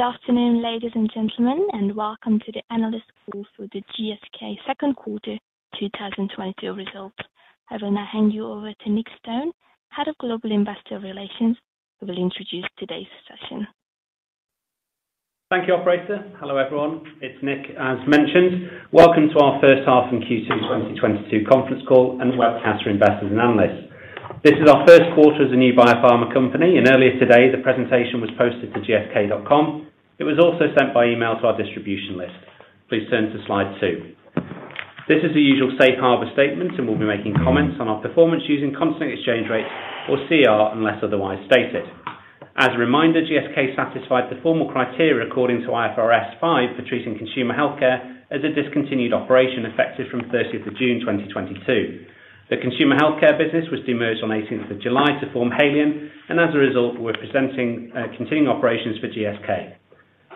Good afternoon, ladies and gentlemen, and welcome to the analyst call for the GSK second quarter 2022 results. I will now hand you over to Nick Stone, Head of Global Investor Relations, who will introduce today's session. Thank you, operator. Hello, everyone. It's Nick, as mentioned. Welcome to our first half and Q2 2022 conference call and webcast to investors and analysts. This is our first quarter as a new biopharma company, and earlier today, the presentation was posted to gsk.com. It was also sent by email to our distribution list. Please turn to slide two. This is the usual safe harbor statement, and we'll be making comments on our performance using constant exchange rates or CER, unless otherwise stated. As a reminder, GSK satisfied the formal criteria according to IFRS 5 for treating consumer healthcare as a discontinued operation effective from thirtieth of June 2022. The consumer healthcare business was demerged on eighteenth of July to form Haleon, and as a result, we're presenting continuing operations for GSK.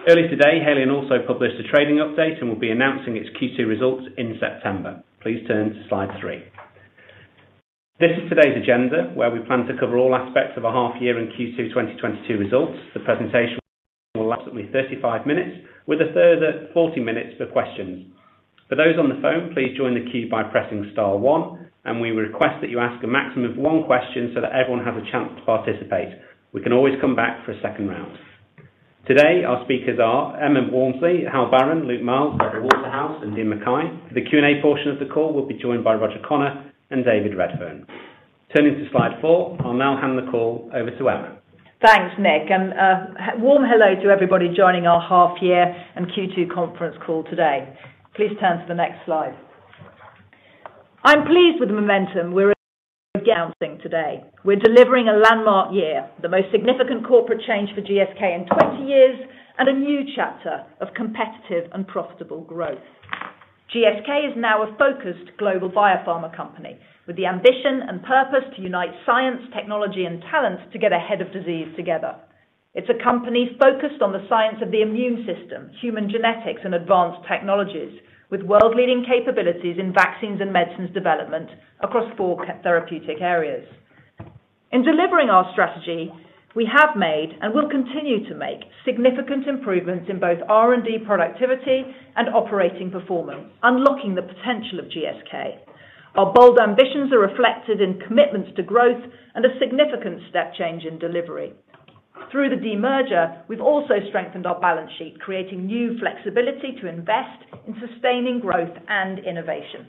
Early today, Haleon also published a trading update and will be announcing its Q2 results in September. Please turn to Slide 3. This is today's agenda, where we plan to cover all aspects of our half-year and Q2 2022 results. The presentation will take me 35-minutes with a further 40-minutes for questions. For those on the phone, please join the queue by pressing star one, and we request that you ask a maximum of one question so that everyone has a chance to participate. We can always come back for a second round. Today, our speakers are Emma Walmsley, Hal Barron, Luke Miels, Deborah Waterhouse, and Iain Mackay. The Q&A portion of the call will be joined by Roger Connor and David Redfern. Turning to Slide 4, I'll now hand the call over to Emma. Thanks, Nick. Warm hello to everybody joining our half year and Q2 conference call today. Please turn to the next slide. I'm pleased with the momentum we're announcing today. We're delivering a landmark year, the most significant corporate change for GSK in 20 years and a new chapter of competitive and profitable growth. GSK is now a focused global biopharma company with the ambition and purpose to unite science, technology and talent to get ahead of disease together. It's a company focused on the science of the immune system, human genetics, and advanced technologies, with world-leading capabilities in vaccines and medicines development across four therapeutic areas. In delivering our strategy, we have made, and will continue to make, significant improvements in both R&D productivity and operating performance, unlocking the potential of GSK. Our bold ambitions are reflected in commitments to growth and a significant step change in delivery. Through the demerger, we've also strengthened our balance sheet, creating new flexibility to invest in sustaining growth and innovation.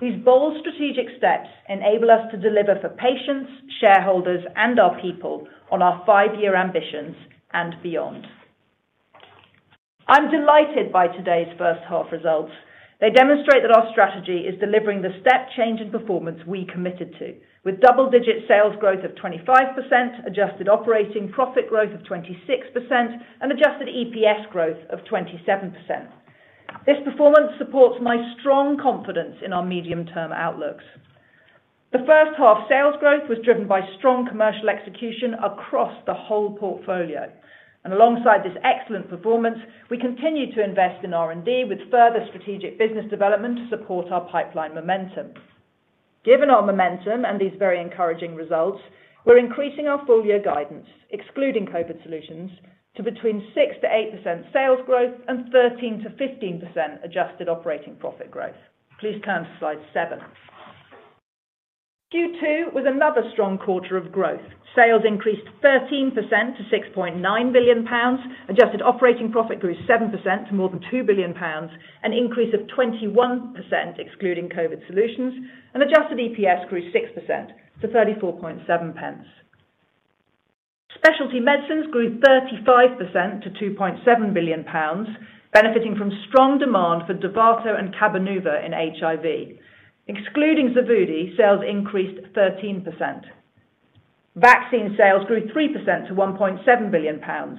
These bold strategic steps enable us to deliver for patients, shareholders, and our people on our five-year ambitions and beyond. I'm delighted by today's first half results. They demonstrate that our strategy is delivering the step change in performance we committed to, with double-digit sales growth of 25%, adjusted operating profit growth of 26%, and Adjusted EPS growth of 27%. This performance supports my strong confidence in our medium-term outlooks. The first half sales growth was driven by strong commercial execution across the whole portfolio. Alongside this excellent performance, we continue to invest in R&D with further strategic business development to support our pipeline momentum. Given our momentum and these very encouraging results, we're increasing our full year guidance, excluding COVID solutions, to between 6%-8% sales growth and 13%-15% adjusted operating profit growth. Please turn to Slide 7. Q2 was another strong quarter of growth. Sales increased 13% to 6.9 billion pounds. Adjusted operating profit grew 7% to more than 2 billion pounds, an increase of 21% excluding COVID solutions, and Adjusted EPS grew 6% to 34.7 pence. Specialty medicines grew 35% to 2.7 billion pounds, benefiting from strong demand for Dovato and Cabenuva in HIV. Excluding Xevudy, sales increased 13%. Vaccine sales grew 3% to 1.7 billion pounds,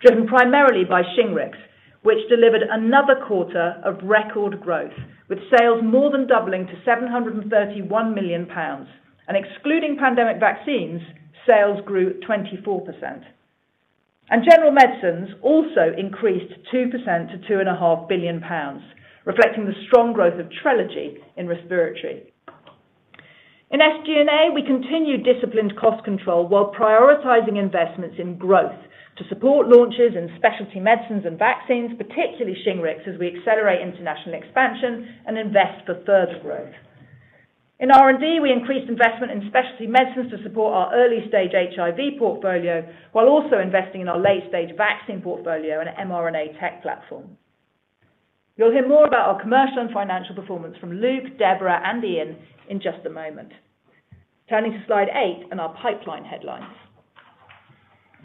driven primarily by Shingrix, which delivered another quarter of record growth, with sales more than doubling to 731 million pounds. Excluding pandemic vaccines, sales grew 24%. General medicines also increased 2% to £2.5 billion, reflecting the strong growth of Trelegy in respiratory. In SG&A, we continue disciplined cost control while prioritizing investments in growth to support launches in specialty medicines and vaccines, particularly Shingrix, as we accelerate international expansion and invest for further growth. In R&D, we increased investment in specialty medicines to support our early-stage HIV portfolio while also investing in our late-stage vaccine portfolio and an mRNA tech platform. You'll hear more about our commercial and financial performance from Luke, Deborah, and Iain in just a moment. Turning to Slide 8 and our pipeline headlines.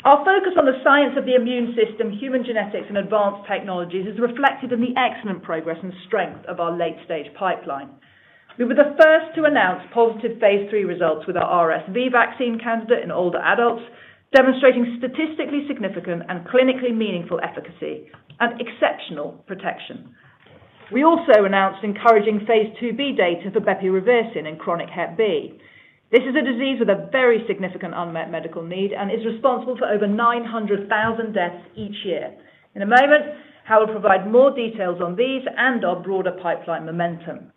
Our focus on the science of the immune system, human genetics, and advanced technologies is reflected in the excellent progress and strength of our late-stage pipeline. We were the first to announce positive phase III results with our RSV vaccine candidate in older adults, demonstrating statistically significant and clinically meaningful efficacy and exceptional protection. We also announced encouraging phase IIb data for bepirovirsen in chronic Hep B. This is a disease with a very significant unmet medical need and is responsible for over 900,000 deaths each year. In a moment, Hal will provide more details on these and our broader pipeline momentum.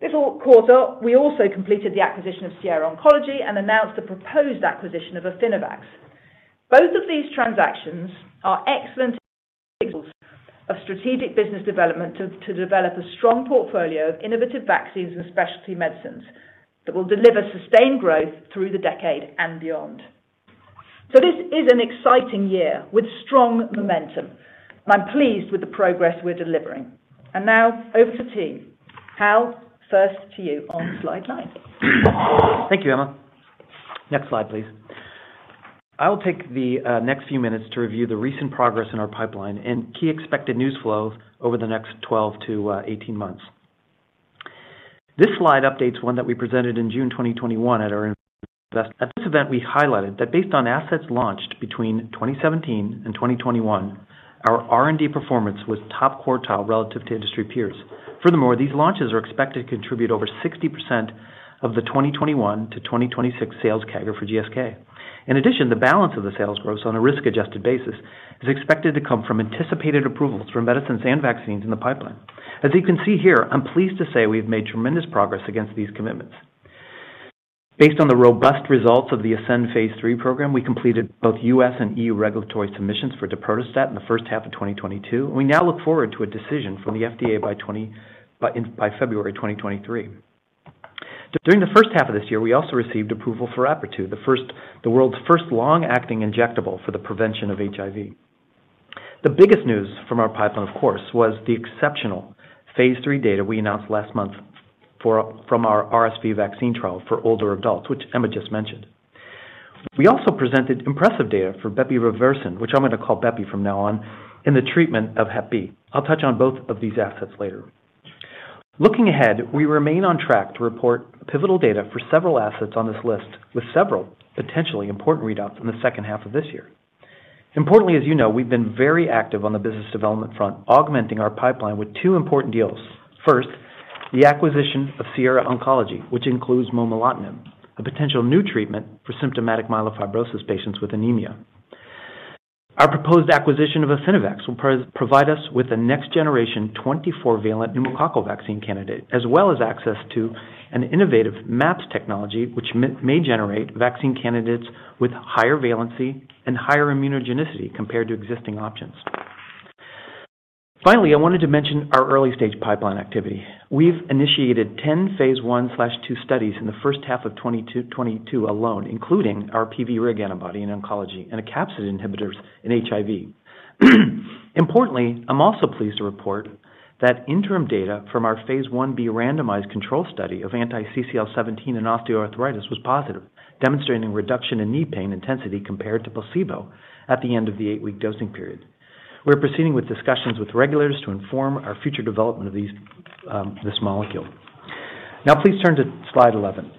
This quarter, we also completed the acquisition of Sierra Oncology and announced the proposed acquisition of Affinivax. Both of these transactions are excellent examples of strategic business development to develop a strong portfolio of innovative vaccines and specialty medicines that will deliver sustained growth through the decade and beyond. This is an exciting year with strong momentum. I'm pleased with the progress we're delivering. Now over to the team. Hal, first to you on Slide 9. Thank you, Emma. Next slide, please. I will take the next few minutes to review the recent progress in our pipeline and key expected news flow over the next 12-18 months. This slide updates one that we presented in June 2021 at our investor event. At this event, we highlighted that based on assets launched between 2017 and 2021, our R&D performance was top quartile relative to industry peers. Furthermore, these launches are expected to contribute over 60% of the 2021-2026 sales CAGR for GSK. In addition, the balance of the sales growth on a risk-adjusted basis is expected to come from anticipated approvals for medicines and vaccines in the pipeline. As you can see here, I'm pleased to say we've made tremendous progress against these commitments. Based on the robust results of the ASCEND phase III program, we completed both U.S. and EU regulatory submissions for dapagliflozin in the first half of 2022. We now look forward to a decision from the FDA by February 2023. During the first half of this year, we also received approval for Apretude, the world's first long-acting injectable for the prevention of HIV. The biggest news from our pipeline, of course, was the exceptional phase III data we announced last month from our RSV vaccine trial for older adults, which Emma just mentioned. We also presented impressive data for bepirovirsen, which I'm going to call "bepi" from now on, in the treatment of Hep B. I'll touch on both of these assets later. Looking ahead, we remain on track to report pivotal data for several assets on this list, with several potentially important readouts in the second half of this year. Importantly, as you know, we've been very active on the business development front, augmenting our pipeline with two important deals. First, the acquisition of Sierra Oncology, which includes momelotinib, a potential new treatment for symptomatic myelofibrosis patients with anemia. Our proposed acquisition of Affinivax will provide us with a next-generation 24-valent pneumococcal vaccine candidate, as well as access to an innovative MAPS technology, which may generate vaccine candidates with higher valency and higher immunogenicity compared to existing options. Finally, I wanted to mention our early-stage pipeline activity. We've initiated ten phase I/II studies in the first half of 2022 alone, including our PVRIG antibody in oncology and capsid inhibitors in HIV. Importantly, I'm also pleased to report that interim data from our phase Ib randomized control study of anti-CCL17 in osteoarthritis was positive, demonstrating reduction in knee pain intensity compared to placebo at the end of the eight week dosing period. We're proceeding with discussions with regulators to inform our future development of these, this molecule. Now please turn to Slide 11.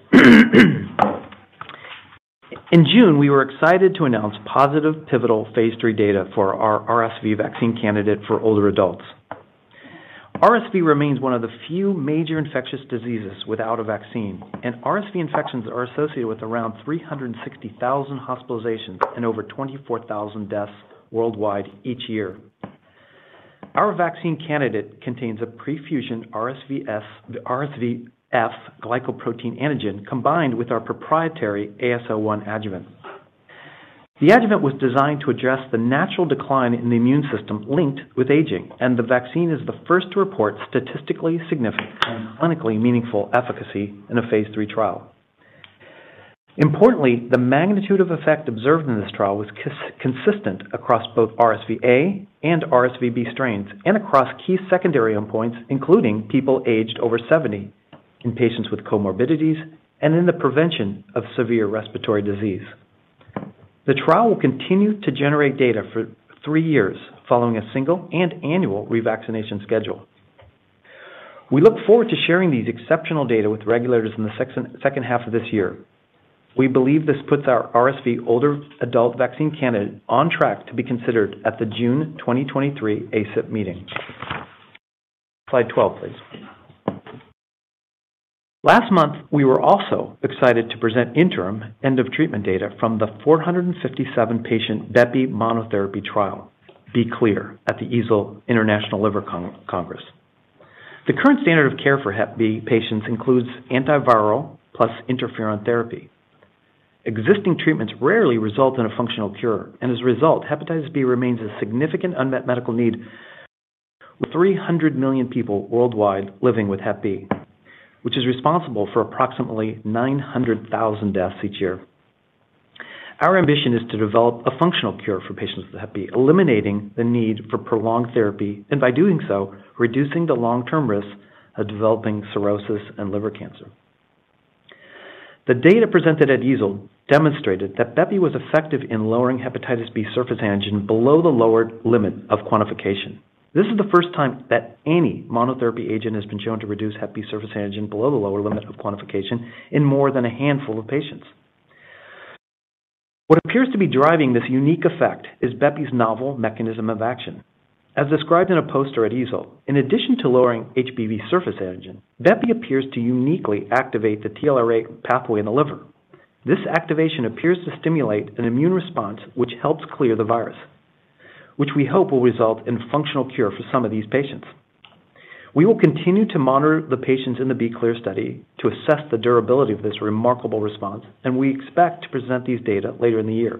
In June, we were excited to announce positive pivotal phase III data for our RSV vaccine candidate for older adults. RSV remains one of the few major infectious diseases without a vaccine, and RSV infections are associated with around 360,000 hospitalizations and over 24,000 deaths worldwide each year. Our vaccine candidate contains a prefusion RSVS-RSVF glycoprotein antigen combined with our proprietary AS01 adjuvant. The adjuvant was designed to address the natural decline in the immune system linked with aging, and the vaccine is the first to report statistically significant and clinically meaningful efficacy in a phase III trial. Importantly, the magnitude of effect observed in this trial was consistent across both RSVA and RSVB strains and across key secondary endpoints, including people aged over seventy, in patients with comorbidities, and in the prevention of severe respiratory disease. The trial will continue to generate data for three years following a single and annual revaccination schedule. We look forward to sharing these exceptional data with regulators in the second half of this year. We believe this puts our RSV older adult vaccine candidate on track to be considered at the June 2023 ACIP meeting. Slide 12, please. Last month, we were also excited to present interim end-of-treatment data from the 457-patient bepi monotherapy trial, B-Clear, at the EASL International Liver Congress. The current standard of care for Hep B patients includes antiviral plus interferon therapy. Existing treatments rarely result in a functional cure, and as a result, Hepatitis B remains a significant unmet medical need, with 300 million people worldwide living with Hep B, which is responsible for approximately 900,000 deaths each year. Our ambition is to develop a functional cure for patients with Hep B, eliminating the need for prolonged therapy, and by doing so, reducing the long-term risk of developing cirrhosis and liver cancer. The data presented at EASL demonstrated that bepi was effective in lowering Hepatitis B surface antigen below the lower limit of quantification. This is the first time that any monotherapy agent has been shown to reduce HBV surface antigen below the lower limit of quantification in more than a handful of patients. What appears to be driving this unique effect is bepi's novel mechanism of action. As described in a poster at EASL, in addition to lowering HBV surface antigen, bepi appears to uniquely activate the TLR8 pathway in the liver. This activation appears to stimulate an immune response which helps clear the virus, which we hope will result in functional cure for some of these patients. We will continue to monitor the patients in the B-Clear study to assess the durability of this remarkable response, and we expect to present these data later in the year.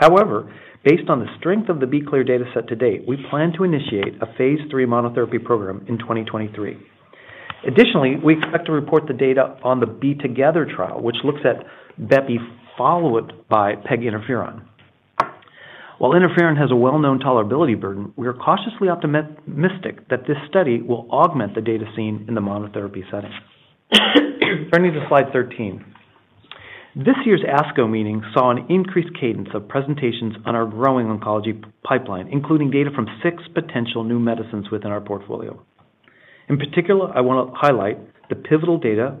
However, based on the strength of the B-Clear data set to date, we plan to initiate a phase III monotherapy program in 2023. Additionally, we expect to report the data on the B-Together trial, which looks at bepi, followed by peg interferon. While interferon has a well-known tolerability burden, we are cautiously optimistic that this study will augment the data seen in the monotherapy setting. Turning to Slide 13. This year's ASCO meeting saw an increased cadence of presentations on our growing oncology pipeline, including data from six potential new medicines within our portfolio. In particular, I wanna highlight the pivotal data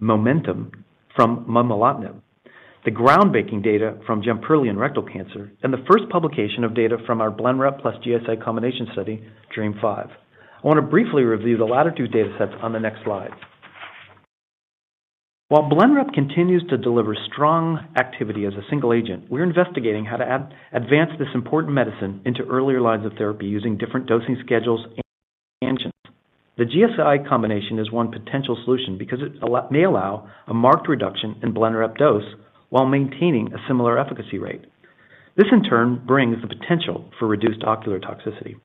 momentum from momelotinib, the groundbreaking data from Jemperli in rectal cancer, and the first publication of data from our Blenrep + GSI combination study, DREAMM-5. I wanna briefly review the latter two data sets on the next slide. While Blenrep continues to deliver strong activity as a single agent, we're investigating how to advance this important medicine into earlier lines of therapy using different dosing schedules and regimens. The GSI combination is one potential solution because it may allow a marked reduction in Blenrep dose while maintaining a similar efficacy rate. This, in turn, brings the potential for reduced ocular toxicity.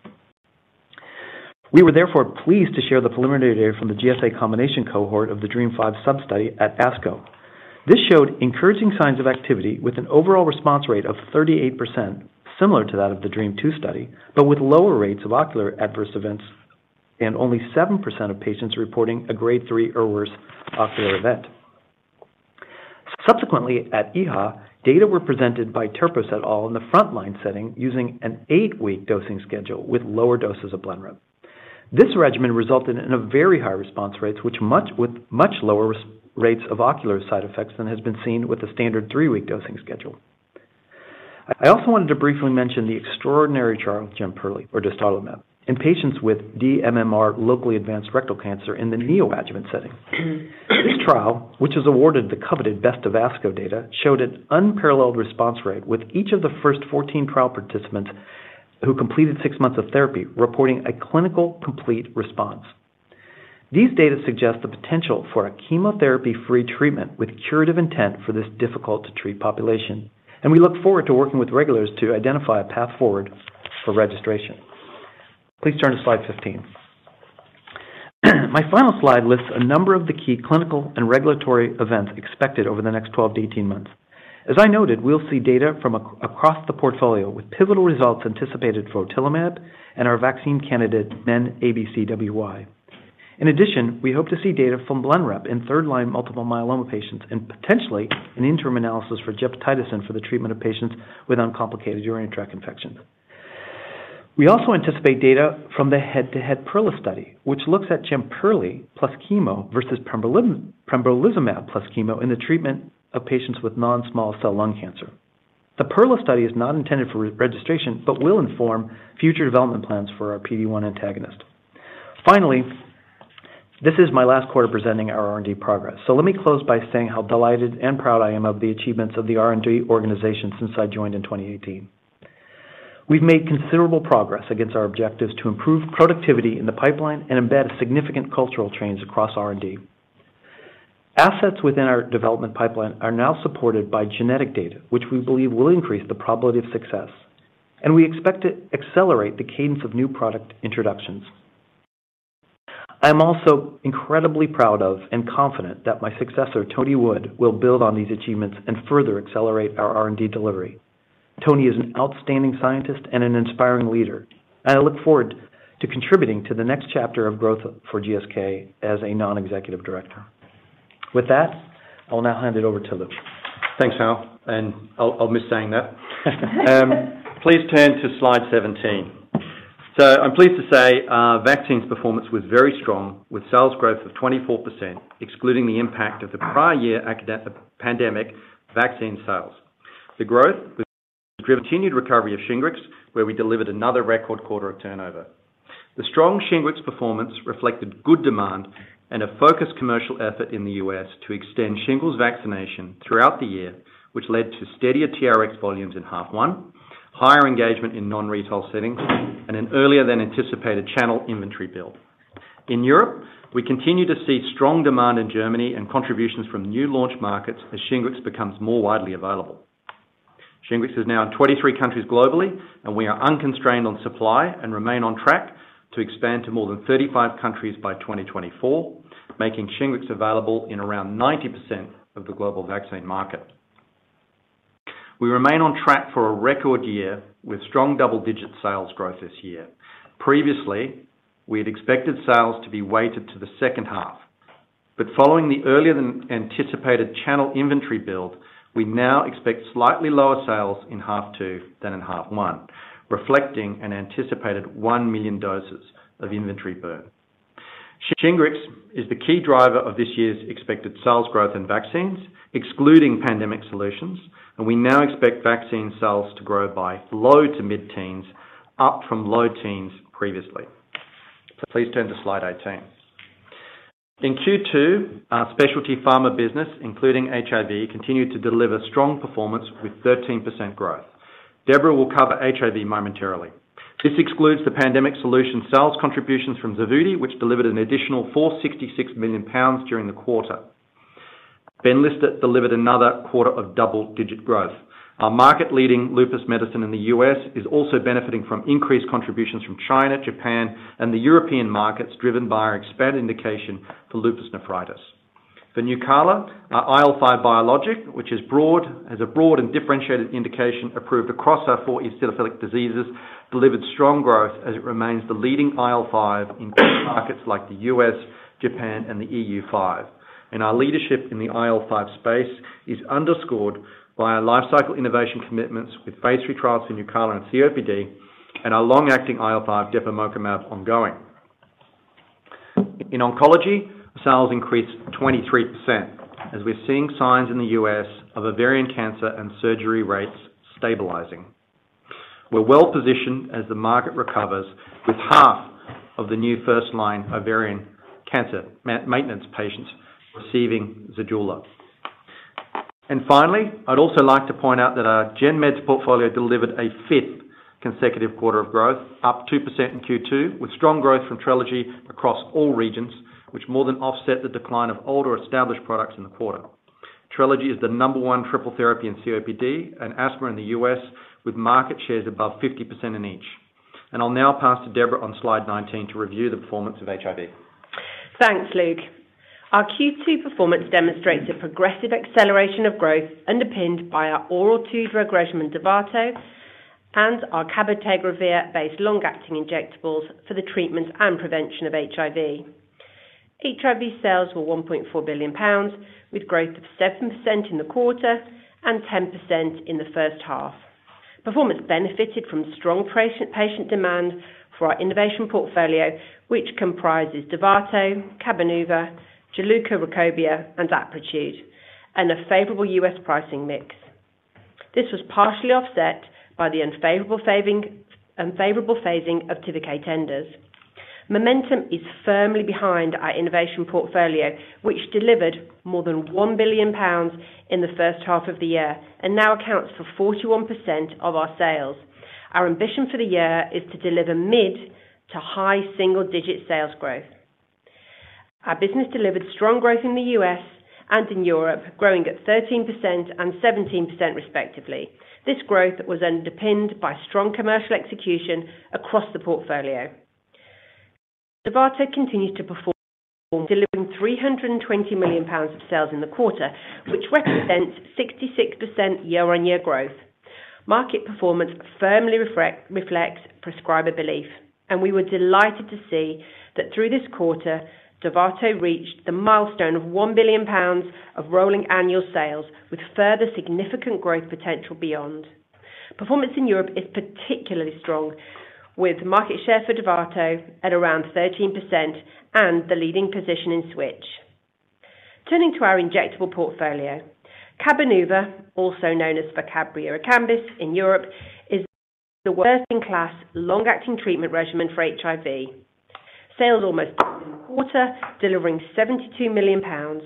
We were therefore pleased to share the preliminary data from the GSI combination cohort of the DREAMM-5 sub-study at ASCO. This showed encouraging signs of activity with an overall response rate of 38%, similar to that of the DREAMM-2 study, but with lower rates of ocular adverse events, and only 7% of patients reporting a grade three or worse ocular event. Subsequently, at EHA, data were presented by Terpos et al. In the frontline setting using an eight-week dosing schedule with lower doses of Blenrep. This regimen resulted in a very high response rates, which, with much lower rates of ocular side effects than has been seen with the standard three-week dosing schedule. I also wanted to briefly mention the extraordinary trial of Jemperli, dostarlimab, in patients with dMMR locally advanced rectal cancer in the neoadjuvant setting. This trial, which has awarded the coveted best of ASCO data, showed an unparalleled response rate with each of the first 14 trial participants who completed six months of therapy, reporting a clinical complete response. These data suggest the potential for a chemotherapy-free treatment with curative intent for this difficult to treat population, and we look forward to working with regulators to identify a path forward for registration. Please turn to Slide 15. My final slide lists a number of the key clinical and regulatory events expected over the next 12-18 months. As I noted, we'll see data from across the portfolio with pivotal results anticipated for otilimab and our vaccine candidate MenABCWY. In addition, we hope to see data from Blenrep in third line multiple myeloma patients and potentially an interim analysis for gepotidacin for the treatment of patients with uncomplicated urinary tract infections. We also anticipate data from the head to head PERLA study, which looks at Jemperli plus chemo versus Pembrolizumab plus chemo in the treatment of patients with non-small cell lung cancer. The PERLA study is not intended for re-registration, but will inform future development plans for our PD-1 antagonist. Finally, this is my last quarter presenting our R&D progress. Let me close by saying how delighted and proud I am of the achievements of the R&D organization since I joined in 2018. We've made considerable progress against our objectives to improve productivity in the pipeline and embed significant cultural change across R&D. Assets within our development pipeline are now supported by genetic data, which we believe will increase the probability of success, and we expect to accelerate the cadence of new product introductions. I'm also incredibly proud of and confident that my successor, Tony Wood, will build on these achievements and further accelerate our R&D delivery. Tony is an outstanding scientist and an inspiring leader, and I look forward to contributing to the next chapter of growth for GSK as a non-executive director. With that, I will now hand it over to Luke. Thanks, Hal, and I'll miss saying that. Please turn to Slide 17. I'm pleased to say, vaccines performance was very strong, with sales growth of 24%, excluding the impact of the prior year pandemic vaccine sales. The growth was driven by the continued recovery of Shingrix, where we delivered another record quarter of turnover. The strong Shingrix performance reflected good demand and a focused commercial effort in the U.S. to extend shingles vaccination throughout the year, which led to steadier TRX volumes in half one, higher engagement in non-retail settings, and an earlier than anticipated channel inventory build. In Europe, we continue to see strong demand in Germany and contributions from new launch markets as Shingrix becomes more widely available. Shingrix is now in 23 countries globally, and we are unconstrained on supply and remain on track to expand to more than 35 countries by 2024, making Shingrix available in around 90% of the global vaccine market. We remain on track for a record year with strong double-digit sales growth this year. Previously, we had expected sales to be weighted to the second half, but following the earlier than anticipated channel inventory build, we now expect slightly lower sales in half two than in half one, reflecting an anticipated 1 million doses of inventory burn. Shingrix is the key driver of this year's expected sales growth in vaccines, excluding pandemic solutions, and we now expect vaccine sales to grow by low- to mid-teens%, up from low-teens% previously. Please turn to Slide 18. In Q2, our specialty pharma business, including HIV, continued to deliver strong performance with 13% growth. Deborah will cover HIV momentarily. This excludes the Pandemic Solution sales contributions from Xevudy, which delivered an additional 46 million pounds during the quarter. Benlysta delivered another quarter of double-digit growth. Our market-leading lupus medicine in the U.S. is also benefiting from increased contributions from China, Japan, and the European markets, driven by our expanded indication for lupus nephritis. Nucala, our IL-5 biologic, which has a broad and differentiated indication approved across our four eosinophilic diseases, delivered strong growth as it remains the leading IL-5 in key markets like the U.S., Japan, and the EU five. Our leadership in the IL-5 space is underscored by our lifecycle innovation commitments with phase III trials in Nucala and COPD, and our long-acting IL-5 depemokimab ongoing. In oncology, sales increased 23%, as we're seeing signs in the U.S. of ovarian cancer and surgery rates stabilizing. We're well-positioned as the market recovers with half of the new first line ovarian cancer maintenance patients receiving Zejula. Finally, I'd also like to point out that our General Medicines portfolio delivered a fifth consecutive quarter of growth, up 2% in Q2, with strong growth from Trelegy across all regions, which more than offset the decline of older established products in the quarter. Trelegy is the number one triple therapy in COPD and asthma in the U.S., with market shares above 50% in each. I'll now pass to Deborah on Slide 19 to review the performance of HIV. Thanks, Luke. Our Q2 performance demonstrates a progressive acceleration of growth underpinned by our oral two-drug regimen, Dovato, and our cabotegravir-based long-acting injectables for the treatment and prevention of HIV. HIV sales were 1.4 billion pounds, with growth of 7% in the quarter and 10% in the first half. Performance benefited from strong patient demand for our innovation portfolio, which comprises Dovato, Cabenuva, Juluca, Rukobia, and Apretude, and a favorable U.S. pricing mix. This was partially offset by the unfavorable phasing of Tivicay tenders. Momentum is firmly behind our innovation portfolio, which delivered more than 1 billion pounds in the first half of the year, and now accounts for 41% of our sales. Our ambition for the year is to deliver mid to high single-digit sales growth. Our business delivered strong growth in the U.S. and in Europe, growing at 13% and 17% respectively. This growth was underpinned by strong commercial execution across the portfolio. Dovato continues to perform, delivering 320 million pounds of sales in the quarter, which represents 66% year-on-year growth. Market performance firmly reflects prescriber belief, and we were delighted to see that through this quarter, Dovato reached the milestone of 1 billion pounds of rolling annual sales with further significant growth potential beyond. Performance in Europe is particularly strong with market share for Dovato at around 13% and the leading position in switch. Turning to our injectable portfolio, Cabenuva, also known as Vocabria Cabenuva in Europe, is the first-in-class long-acting treatment regimen for HIV. Sales in the quarter, delivering 72 million pounds.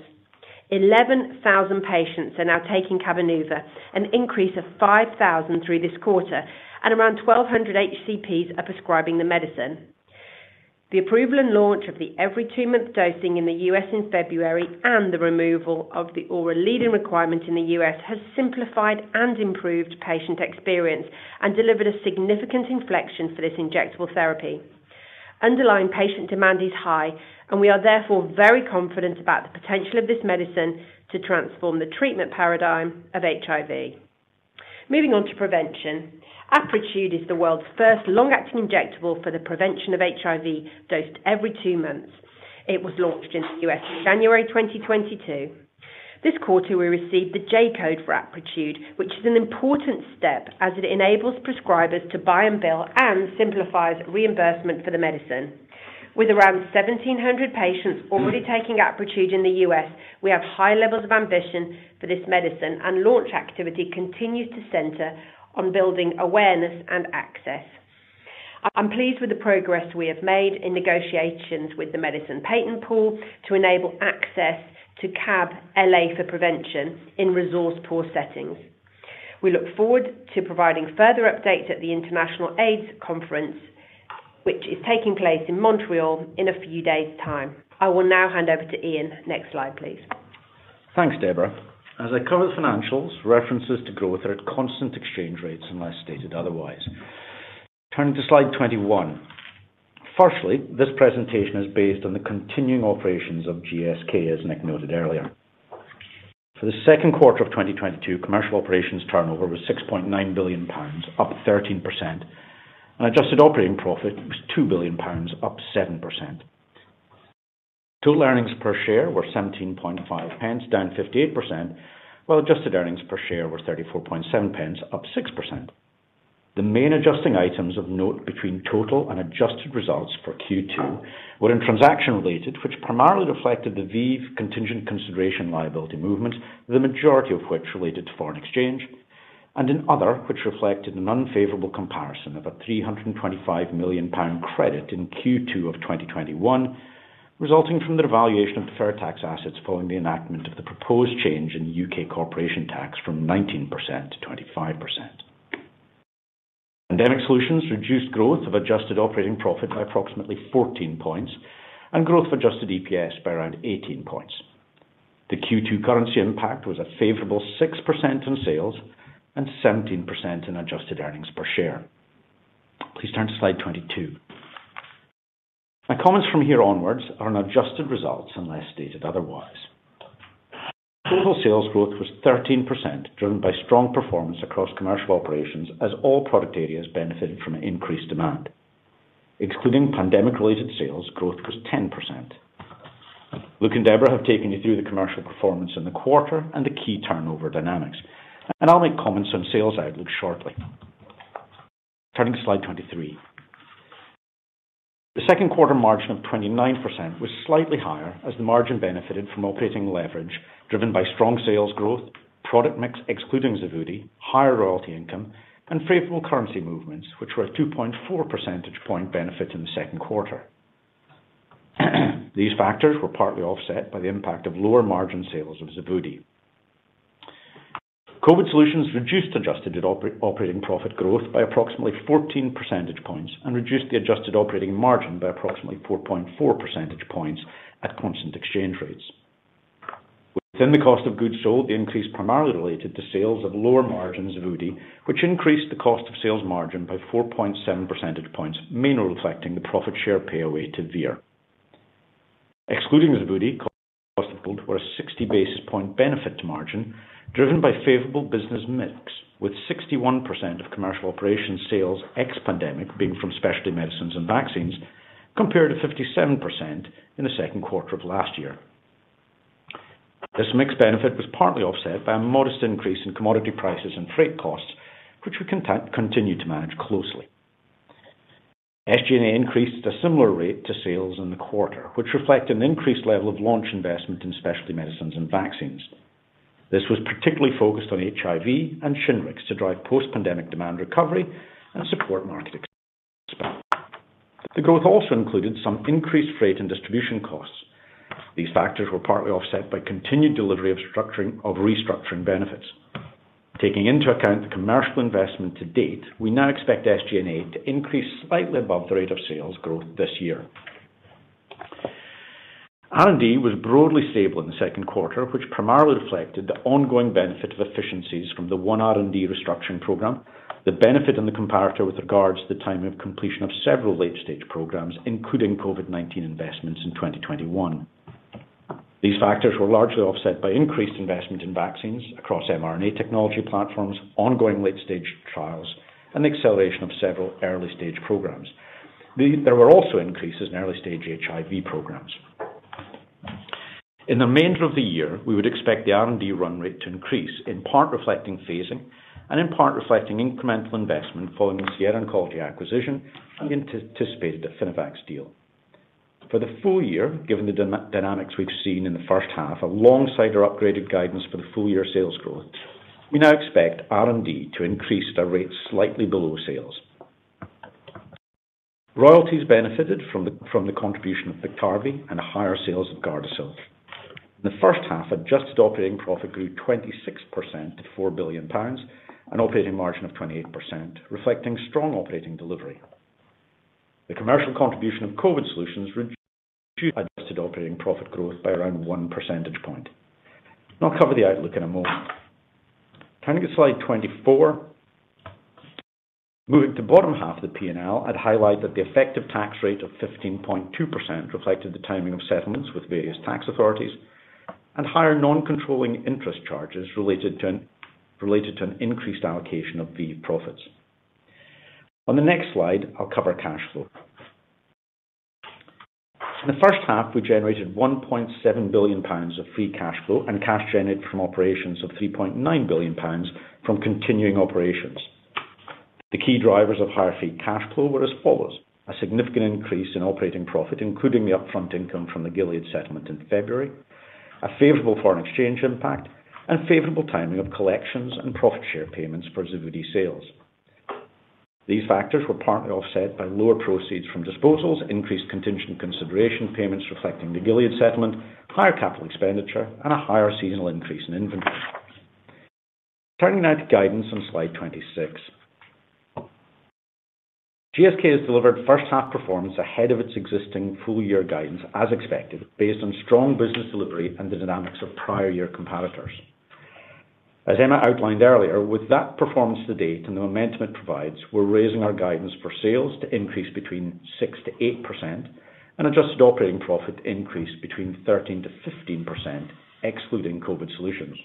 11,000 patients are now taking Cabenuva, an increase of 5,000 through this quarter, and around 1,200 HCPs are prescribing the medicine. The approval and launch of the every two month dosing in the U.S. in February and the removal of the oral lead-in requirement in the U.S. has simplified and improved patient experience and delivered a significant inflection for this injectable therapy. Underlying patient demand is high, and we are therefore very confident about the potential of this medicine to transform the treatment paradigm of HIV. Moving on to prevention. Apretude is the world's first long-acting injectable for the prevention of HIV dosed every two months. It was launched in the U.S. in January 2022. This quarter, we received the J-code for Apretude, which is an important step as it enables prescribers to buy and bill and simplifies reimbursement for the medicine. With around 1,700 patients already taking Apretude in the U.S., we have high levels of ambition for this medicine, and launch activity continues to center on building awareness and access. I'm pleased with the progress we have made in negotiations with the Medicines Patent Pool to enable access to Cab LA for prevention in resource-poor settings. We look forward to providing further updates at the International AIDS Conference, which is taking place in Montreal in a few days time. I will now hand over to Iain. Next slide, please. Thanks, Deborah. As I cover the financials, references to growth are at constant exchange rates unless stated otherwise. Turning to Slide 21. Firstly, this presentation is based on the continuing operations of GSK, as Nick noted earlier. For the second quarter of 2022, commercial operations turnover was 6.9 billion pounds, up 13%. Adjusted operating profit was 2 billion pounds, up 7%. Total earnings per share were 17.5 pence, down 58%, while Adjusted earnings per share were 34.7 pence, up 6%. The main adjusting items of note between total and adjusted results for Q2 were in transaction related, which primarily reflected the ViiV contingent consideration liability movement, the majority of which related to foreign exchange. In other, which reflected an unfavorable comparison of a 325 million pound credit in Q2 of 2021, resulting from the valuation of the deferred tax assets following the enactment of the proposed change in U.K. corporation tax from 19% to 25%. Pandemic solutions reduced growth of adjusted operating profit by approximately 14 points and growth Adjusted EPS by around 18 points. The Q2 currency impact was a favorable 6% in sales and 17% in Adjusted earnings per share. Please turn to Slide 22. My comments from here onwards are on adjusted results unless stated otherwise. Total sales growth was 13%, driven by strong performance across commercial operations as all product areas benefited from increased demand. Excluding pandemic-related sales, growth was 10%. Luke and Deborah have taken you through the commercial performance in the quarter and the key turnover dynamics, and I'll make comments on sales outlook shortly. Turning to Slide 23. The second quarter margin of 29% was slightly higher as the margin benefited from operating leverage driven by strong sales growth, product mix excluding Xevudy, higher royalty income, and favorable currency movements, which were a 2.4 percentage point benefit in the second quarter. These factors were partly offset by the impact of lower margin sales of Xevudy. COVID solutions reduced adjusted operating profit growth by approximately 14 percentage points and reduced the adjusted operating margin by approximately 4.4 percentage points at constant exchange rates. Within the cost of goods sold, the increase primarily related to sales of lower margins of Xevudy, which increased the cost of sales margin by 4.7 percentage points, mainly reflecting the profit share pay away to Vir. Excluding Xevudy, cost of goods were a 60 basis point benefit to margin driven by favorable business mix, with 61% of commercial operations sales ex pandemic being from specialty medicines and vaccines, compared to 57% in the second quarter of last year. This mix benefit was partly offset by a modest increase in commodity prices and freight costs, which we continue to manage closely. SG&A increased a similar rate to sales in the quarter, which reflect an increased level of launch investment in specialty medicines and vaccines. This was particularly focused on HIV and Shingrix to drive post-pandemic demand recovery and support market expansion. The growth also included some increased freight and distribution costs. These factors were partly offset by continued delivery of restructuring benefits. Taking into account the commercial investment to date, we now expect SG&A to increase slightly above the rate of sales growth this year. R&D was broadly stable in the second quarter, which primarily reflected the ongoing benefit of efficiencies from the one R&D restructuring program, the benefit in the comparator with regards to the time of completion of several late-stage programs, including COVID-19 investments in 2021. These factors were largely offset by increased investment in vaccines across mRNA technology platforms, ongoing late-stage trials, and the acceleration of several early-stage programs. There were also increases in early-stage HIV programs. In the remainder of the year, we would expect the R&D run rate to increase, in part reflecting phasing and in part reflecting incremental investment following the Sierra Oncology acquisition and the anticipated Affinivax deal. For the full year, given the dynamics we've seen in the first half, alongside our upgraded guidance for the full year sales growth, we now expect R&D to increase at a rate slightly below sales. Royalties benefited from the contribution of Biktarvy and higher sales of Gardasil. In the first half, adjusted operating profit grew 26% to 4 billion pounds, an operating margin of 28%, reflecting strong operating delivery. The commercial contribution of COVID solutions reduced adjusted operating profit growth by around one percentage point. I'll cover the outlook in a moment. Turning to Slide 24. Moving to bottom half of the P&L, I'd highlight that the effective tax rate of 15.2% reflected the timing of settlements with various tax authorities and higher non-controlling interest charges related to an increased allocation of ViiV profits. On the next slide, I'll cover cash flow. In the first half, we generated 1.7 billion pounds of Free Cash Flow and cash generated from operations of 3.9 billion pounds from continuing operations. The key drivers of higher Free Cash Flow were as follows. A significant increase in operating profit, including the upfront income from the Gilead settlement in February, a favorable foreign exchange impact, and favorable timing of collections and profit share payments for Xevudy sales. These factors were partly offset by lower proceeds from disposals, increased contingent consideration payments reflecting the Gilead settlement, higher capital expenditure, and a higher seasonal increase in inventory. Turning now to guidance on Slide 26. GSK has delivered first half performance ahead of its existing full year guidance as expected, based on strong business delivery and the dynamics of prior year comparators. As Emma outlined earlier, with that performance to date and the momentum it provides, we're raising our guidance for sales to increase 6%-8% and adjusted operating profit increase 13%-15%, excluding COVID solutions.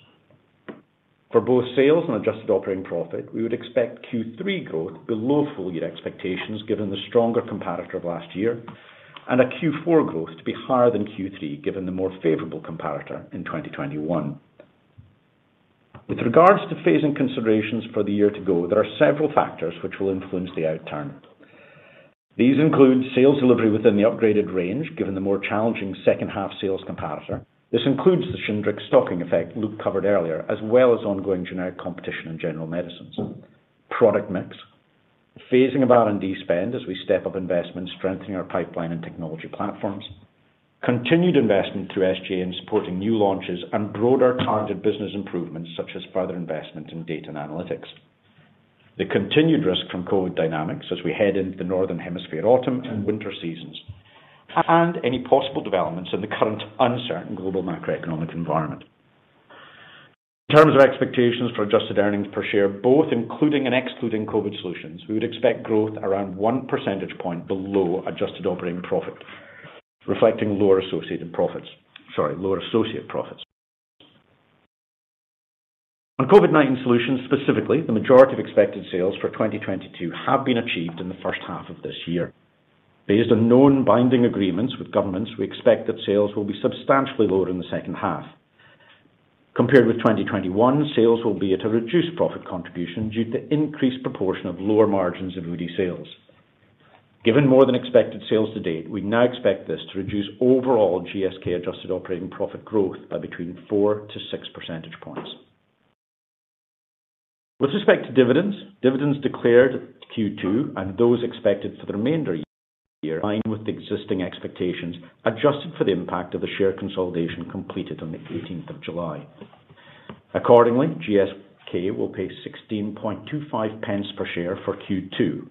For both sales and adjusted operating profit, we would expect Q3 growth below full year expectations, given the stronger comparator of last year, and a Q4 growth to be higher than Q3, given the more favorable comparator in 2021. With regards to phasing considerations for the year to go, there are several factors which will influence the outturn. These include sales delivery within the upgraded range, given the more challenging second half sales comparator. This includes the Shingrix stocking effect Luke covered earlier, as well as ongoing generic competition in general medicines. Product mix, phasing of R&D spend as we step up investment, strengthening our pipeline and technology platforms. Continued investment through SG&A, supporting new launches and broader targeted business improvements such as further investment in data and analytics. The continued risk from COVID dynamics as we head into the northern hemisphere autumn and winter seasons. Any possible developments in the current uncertain global macroeconomic environment. In terms of expectations for Adjusted earnings per share, both including and excluding COVID solutions, we would expect growth around 1 percentage point below adjusted operating profit, reflecting lower associated profits. Sorry, lower associated profits. On COVID-19 solutions specifically, the majority of expected sales for 2022 have been achieved in the first half of this year. Based on known binding agreements with governments, we expect that sales will be substantially lower in the second half. Compared with 2021, sales will be at a reduced profit contribution due to increased proportion of lower margins of Xevudy sales. Given more than expected sales to date, we now expect this to reduce overall GSK adjusted operating profit growth by between 4-6 percentage points. With respect to dividends declared Q2 and those expected for the remainder year in line with existing expectations, adjusted for the impact of the share consolidation completed on the 18th of July. Accordingly, GSK will pay 16.25 pence per share for Q2.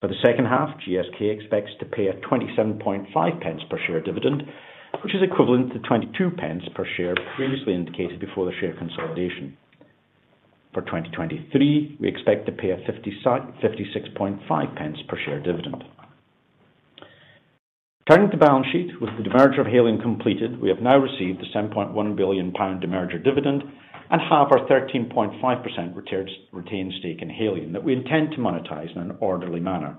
For the second half, GSK expects to pay a 27.5 pence per share dividend, which is equivalent to 22 pence per share previously indicated before the share consolidation. For 2023, we expect to pay a 56.5 pence per share dividend. Turning to the balance sheet. With the demerger of Haleon completed, we have now received the 7.1 billion pound demerger dividend and have our 13.5% retained stake in Haleon that we intend to monetize in an orderly manner.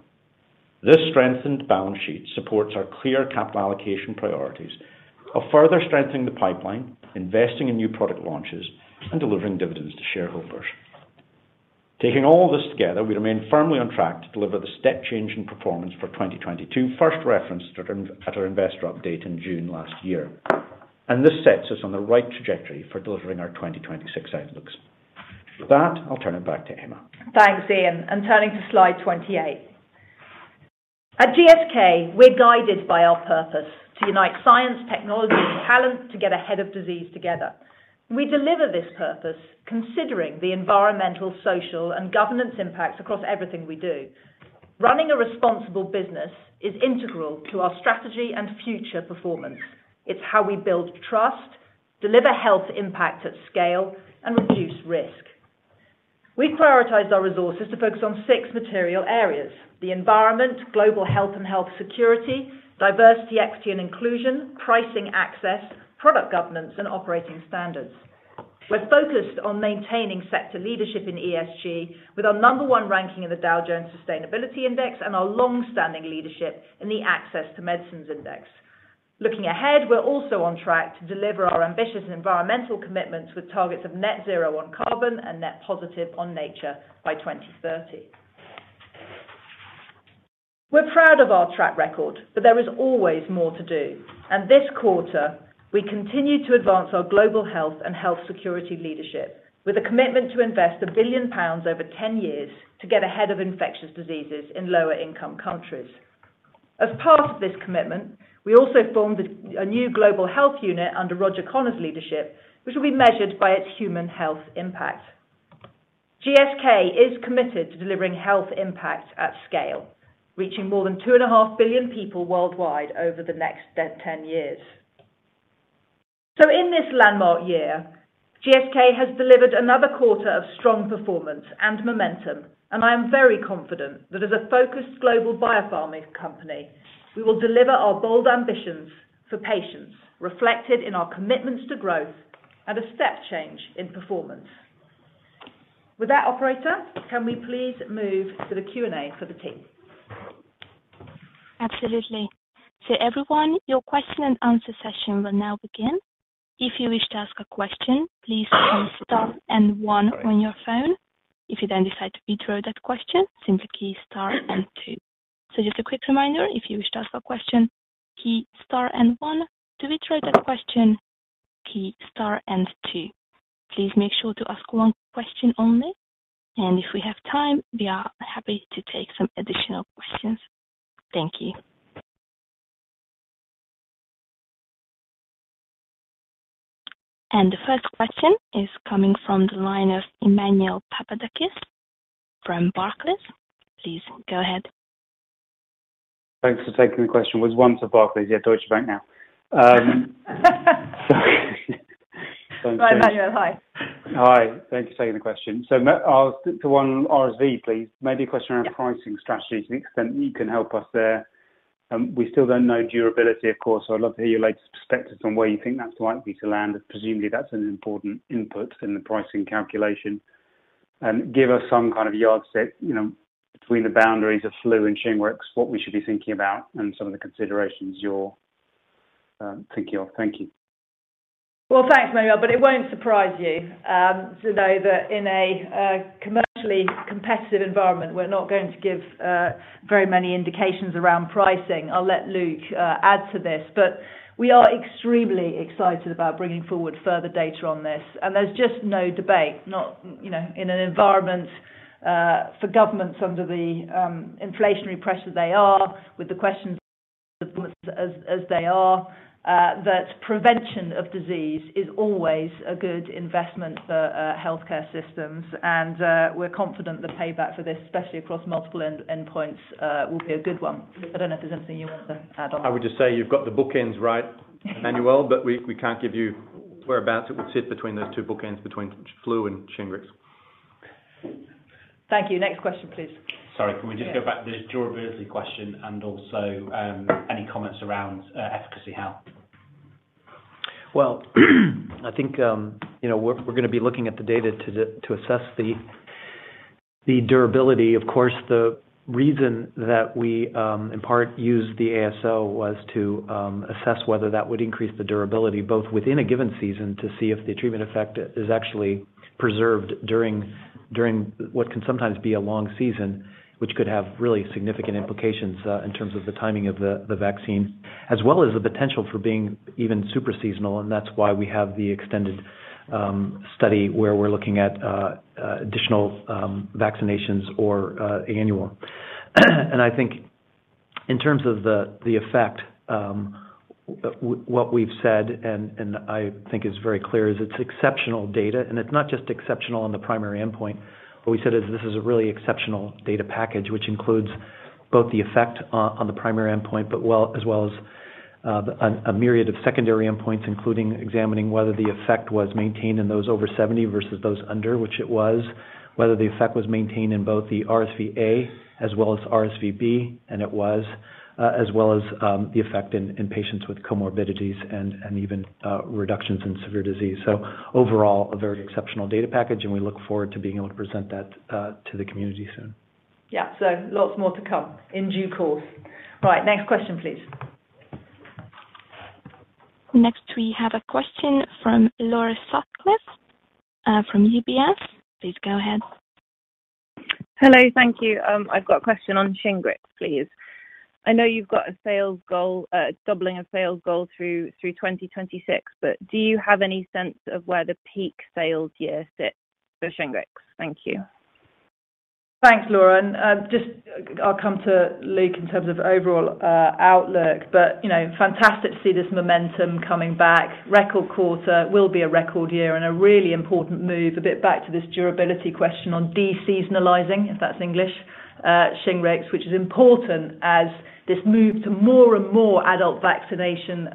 This strengthened balance sheet supports our clear capital allocation priorities of further strengthening the pipeline, investing in new product launches and delivering dividends to shareholders. Taking all this together, we remain firmly on track to deliver the step change in performance for 2022. First referenced at our investor update in June last year, and this sets us on the right trajectory for delivering our 2026 outlooks. With that, I'll turn it back to Emma. Thanks, Iain. Turning to Slide 28. At GSK, we're guided by our purpose to unite science, technology and talent to get ahead of disease together. We deliver this purpose considering the environmental, social and governance impacts across everything we do. Running a responsible business is integral to our strategy and future performance. It's how we build trust, deliver health impact at scale, and reduce risk. We prioritize our resources to focus on six material areas. The environment, global health and health security, diversity, equity and inclusion, pricing access, product governance and operating standards. We're focused on maintaining sector leadership in ESG with our number one ranking in the Dow Jones Sustainability Index and our long-standing leadership in the Access to Medicine Index. Looking ahead, we're also on track to deliver our ambitious environmental commitments with targets of net zero on carbon and net positive on nature by 2030. We're proud of our track record, but there is always more to do. This quarter we continue to advance our global health and health security leadership with a commitment to invest 1 billion pounds over 10 years to get ahead of infectious diseases in lower income countries. As part of this commitment, we also formed a new global health unit under Roger Connor's leadership, which will be measured by its human health impact. GSK is committed to delivering health impact at scale, reaching more than 2.5 billion people worldwide over the next 10 years. In this landmark year, GSK has delivered another quarter of strong performance and momentum, and I am very confident that as a focused global biopharma company, we will deliver our bold ambitions for patients reflected in our commitments to growth and a step change in performance. With that operator, can we please move to the Q&A for the team? Absolutely. Everyone, your question-and-answer session will now begin. If you wish to ask a question, please key star and one on your phone. If you then decide to withdraw that question, simply key star and two. Just a quick reminder, if you wish to ask a question, key star and one. To withdraw that question, key star and two. Please make sure to ask one question only, and if we have time, we are happy to take some additional questions. Thank you. The first question is coming from the line of Emmanuel Papadakis from Barclays. Please go ahead. Thanks for taking the question. Was once at Barclays, yeah, Deutsche Bank now. Sorry. Emmanuel. Hi. Hi. Thanks for taking the question. I'll stick to one RSV, please. Maybe a question around pricing strategies to the extent that you can help us there. We still don't know durability, of course. I'd love to hear your latest perspectives on where you think that's likely to land. Presumably, that's an important input in the pricing calculation. Give us some kind of yardstick, you know, between the boundaries of flu and Shingrix, what we should be thinking about and some of the considerations you're thinking of. Thank you. Well, thanks, Emmanuel. It won't surprise you to know that in a commercially competitive environment, we're not going to give very many indications around pricing. I'll let Luke add to this. We are extremely excited about bringing forward further data on this. There's just no debate, you know, in an environment for governments under the inflationary pressure they are, with the questions as they are, that prevention of disease is always a good investment for healthcare systems. We're confident the payback for this, especially across multiple endpoints, will be a good one. I don't know if there's anything you want to add on that. I would just say you've got the bookends right, Emmanuel, but we can't give you whereabouts it will sit between those two bookends between flu and Shingrix. Thank you. Next question, please. Sorry, can we just go back to the durability question and also any comments around efficacy, Hal? Well, I think, you know, we're gonna be looking at the data to assess the durability. Of course, the reason that we in part used the ASO was to assess whether that would increase the durability, both within a given season to see if the treatment effect is actually preserved during what can sometimes be a long season, which could have really significant implications in terms of the timing of the vaccine, as well as the potential for being even super seasonal, and that's why we have the extended study where we're looking at additional vaccinations or annual. I think in terms of the effect what we've said and I think is very clear is it's exceptional data, and it's not just exceptional on the primary endpoint. What we said is this is a really exceptional data package, which includes both the effect on the primary endpoint, as well as a myriad of secondary endpoints, including examining whether the effect was maintained in those over 70 versus those under, which it was. Whether the effect was maintained in both the RSVA as well as RSVB, and it was, as well as the effect in patients with comorbidities and even reductions in severe disease. Overall, a very exceptional data package, and we look forward to being able to present that to the community soon. Yeah. Lots more to come in due course. Right. Next question, please. Next, we have a question from Laura Sutcliffe, from UBS. Please go ahead. Hello. Thank you. I've got a question on Shingrix, please. I know you've got a sales goal, doubling a sales goal through 2026, but do you have any sense of where the peak sales year sits for Shingrix? Thank you. Thanks, Laura. Just I'll come to Luke in terms of overall outlook, but you know, fantastic to see this momentum coming back. Record quarter, will be a record year and a really important move, a bit back to this durability question on de-seasonalizing, if that's English, Shingrix, which is important as this move to more and more adult vaccination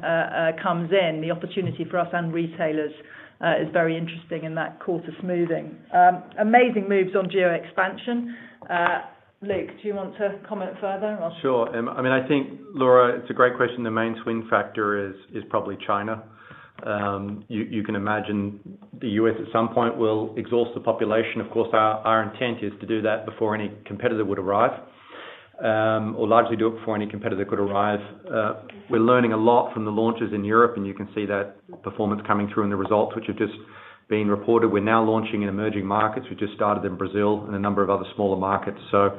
comes in. The opportunity for us and retailers is very interesting in that quarter smoothing. Amazing moves on geo expansion. Luke, do you want to comment further or? Sure. I mean, I think, Laura, it's a great question. The main swing factor is probably China. You can imagine the U.S. at some point will exhaust the population. Of course, our intent is to do that before any competitor would arrive, or largely do it before any competitor could arrive. We're learning a lot from the launches in Europe, and you can see that performance coming through in the results, which have just been reported. We're now launching in emerging markets. We just started in Brazil and a number of other smaller markets. So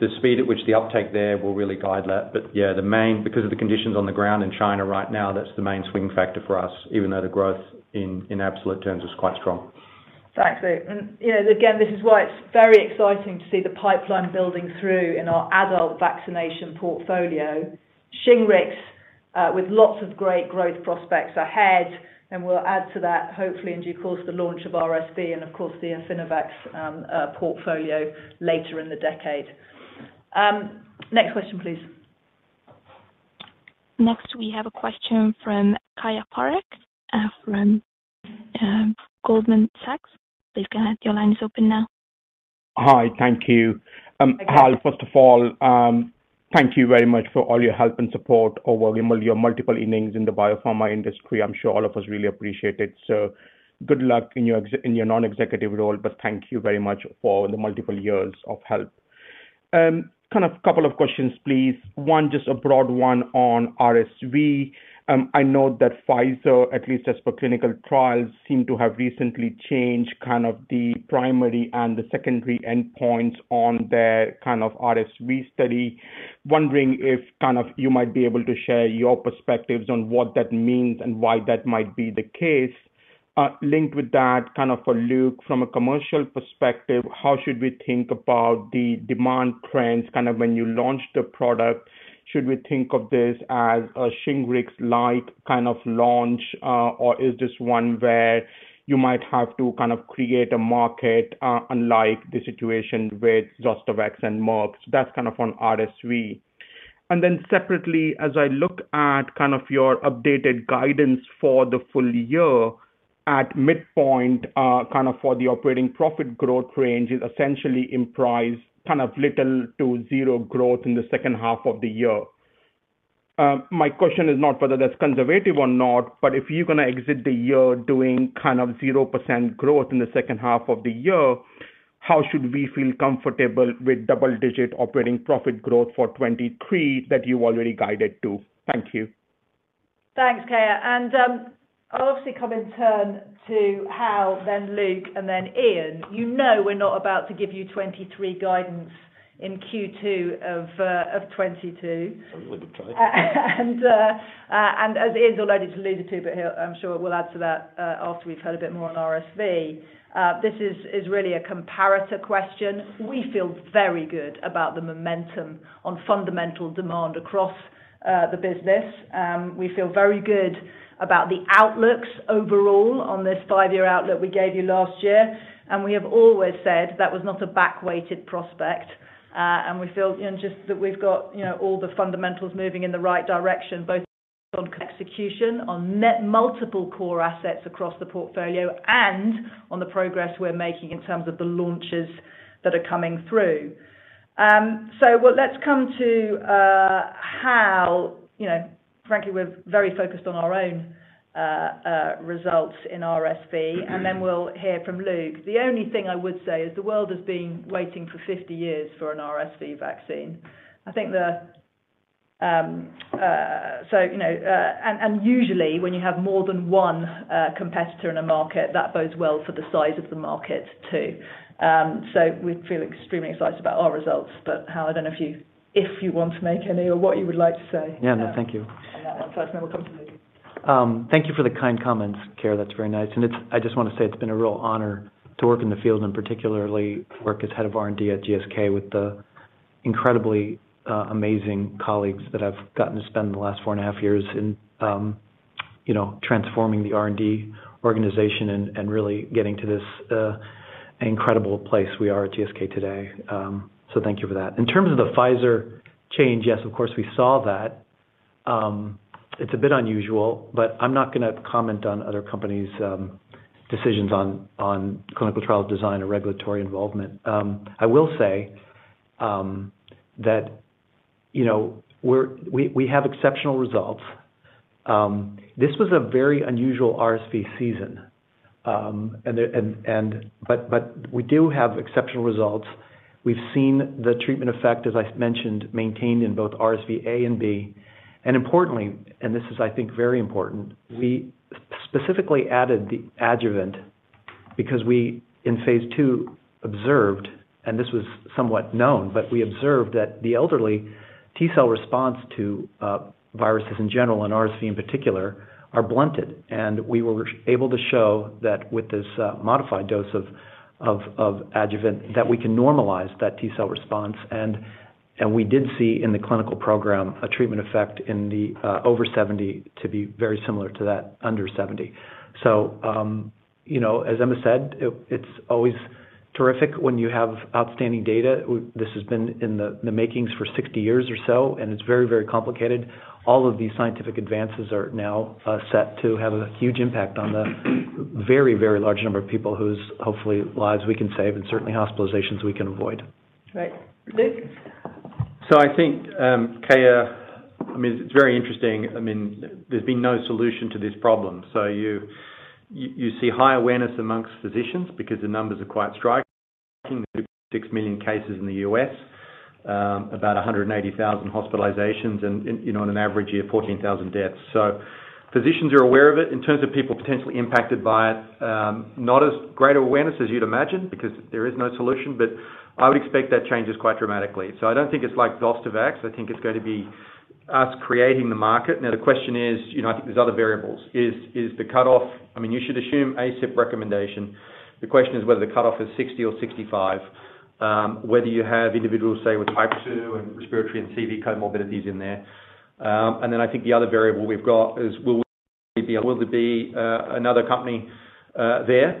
the speed at which the uptake there will really guide that. But yeah, the main, because of the conditions on the ground in China right now, that's the main swing factor for us, even though the growth in absolute terms is quite strong. Thanks, Luke. Yeah, again, this is why it's very exciting to see the pipeline building through in our adult vaccination portfolio. Shingrix with lots of great growth prospects ahead. We'll add to that, hopefully in due course, the launch of RSV and of course the Affinivax portfolio later in the decade. Next question, please. Next, we have a question from Keyur Parekh from Goldman Sachs. Please go ahead. Your line is open now. Hi. Thank you. Hal, first of all, thank you very much for all your help and support over your multiple innings in the biopharma industry. I'm sure all of us really appreciate it. Good luck in your non-executive role, but thank you very much for the multiple years of help. Kind of couple of questions, please. One, just a broad one on RSV. I know that Pfizer, at least as per clinical trials, seem to have recently changed kind of the primary and the secondary endpoints on their kind of RSV study. Wondering if kind of you might be able to share your perspectives on what that means and why that might be the case. Linked with that kind of for Luke, from a commercial perspective, how should we think about the demand trends kind of when you launch the product? Should we think of this as a Shingrix-like kind of launch, or is this one where you might have to kind of create a market, unlike the situation with Zostavax and Merck? That's kind of on RSV. Then separately, as I look at kind of your updated guidance for the full year, at midpoint, kind of for the operating profit growth range is essentially implies kind of little to zero growth in the second half of the year. My question is not whether that's conservative or not, but if you're gonna exit the year doing kind of 0% growth in the second half of the year. How should we feel comfortable with double-digit operating profit growth for 2023 that you already guided to? Thank you. Thanks, Keyur. I'll obviously comment in turn to Hal, then Luke, and then Iain. You know we're not about to give you 2023 guidance in Q2 of 2022. That's really good try. As Iain's already alluded to, but he'll—I'm sure we'll add to that after we've heard a bit more on RSV. This is really a comparator question. We feel very good about the momentum on fundamental demand across the business. We feel very good about the outlooks overall on this five-year outlook we gave you last year. We have always said that was not a back-weighted prospect. We feel, you know, just that we've got, you know, all the fundamentals moving in the right direction, both on execution, on multiple core assets across the portfolio and on the progress we're making in terms of the launches that are coming through. Let's come to Hal. You know, frankly, we're very focused on our own results in RSV, and then we'll hear from Luke. The only thing I would say is the world has been waiting for 50 years for an RSV vaccine. You know, and usually when you have more than one competitor in a market, that bodes well for the size of the market too. We feel extremely excited about our results. Hal, I don't know if you want to make any or what you would like to say. Yeah, thank you. That aside, then we'll come to Luke. Thank you for the kind comments, Keyur. That's very nice. I just wanna say it's been a real honor to work in the field, and particularly work as head of R&D at GSK with the incredibly amazing colleagues that I've gotten to spend the last four and a half years in, you know, transforming the R&D organization and really getting to this incredible place we are at GSK today. So thank you for that. In terms of the Pfizer change, yes, of course, we saw that. It's a bit unusual, but I'm not gonna comment on other company's decisions on clinical trial design or regulatory involvement. I will say that, you know, we have exceptional results. This was a very unusual RSV season and the. We do have exceptional results. We've seen the treatment effect, as I mentioned, maintained in both RSV A and B. Importantly, this is, I think, very important, we specifically added the adjuvant because we, in phase II, observed, and this was somewhat known, but we observed that the elderly T-cell response to viruses in general, and RSV in particular, are blunted. We were able to show that with this modified dose of adjuvant, that we can normalize that T-cell response. We did see in the clinical program a treatment effect in the over 70 to be very similar to that under 70. You know, as Emma said, it's always terrific when you have outstanding data. This has been in the makings for 60 years or so, and it's very, very complicated. All of these scientific advances are now set to have a huge impact on the very, very large number of people whose, hopefully, lives we can save and certainly hospitalizations we can avoid. Right. Luke? I think, Keyur, I mean, it's very interesting. I mean, there's been no solution to this problem. You see high awareness among physicians because the numbers are quite striking. 6 million cases in the U.S., about 180,000 hospitalizations and, you know, on an average year, 14,000 deaths. Physicians are aware of it. In terms of people potentially impacted by it, not as great awareness as you'd imagine because there is no solution, but I would expect that changes quite dramatically. I don't think it's like Zostavax. I think it's gonna be us creating the market. Now, the question is, you know, I think there's other variables. Is the cutoff? I mean, you should assume ACIP recommendation. The question is whether the cutoff is 60 or 65, whether you have individuals, say, with type II and respiratory and CV comorbidities in there. I think the other variable we've got is will there be another company there.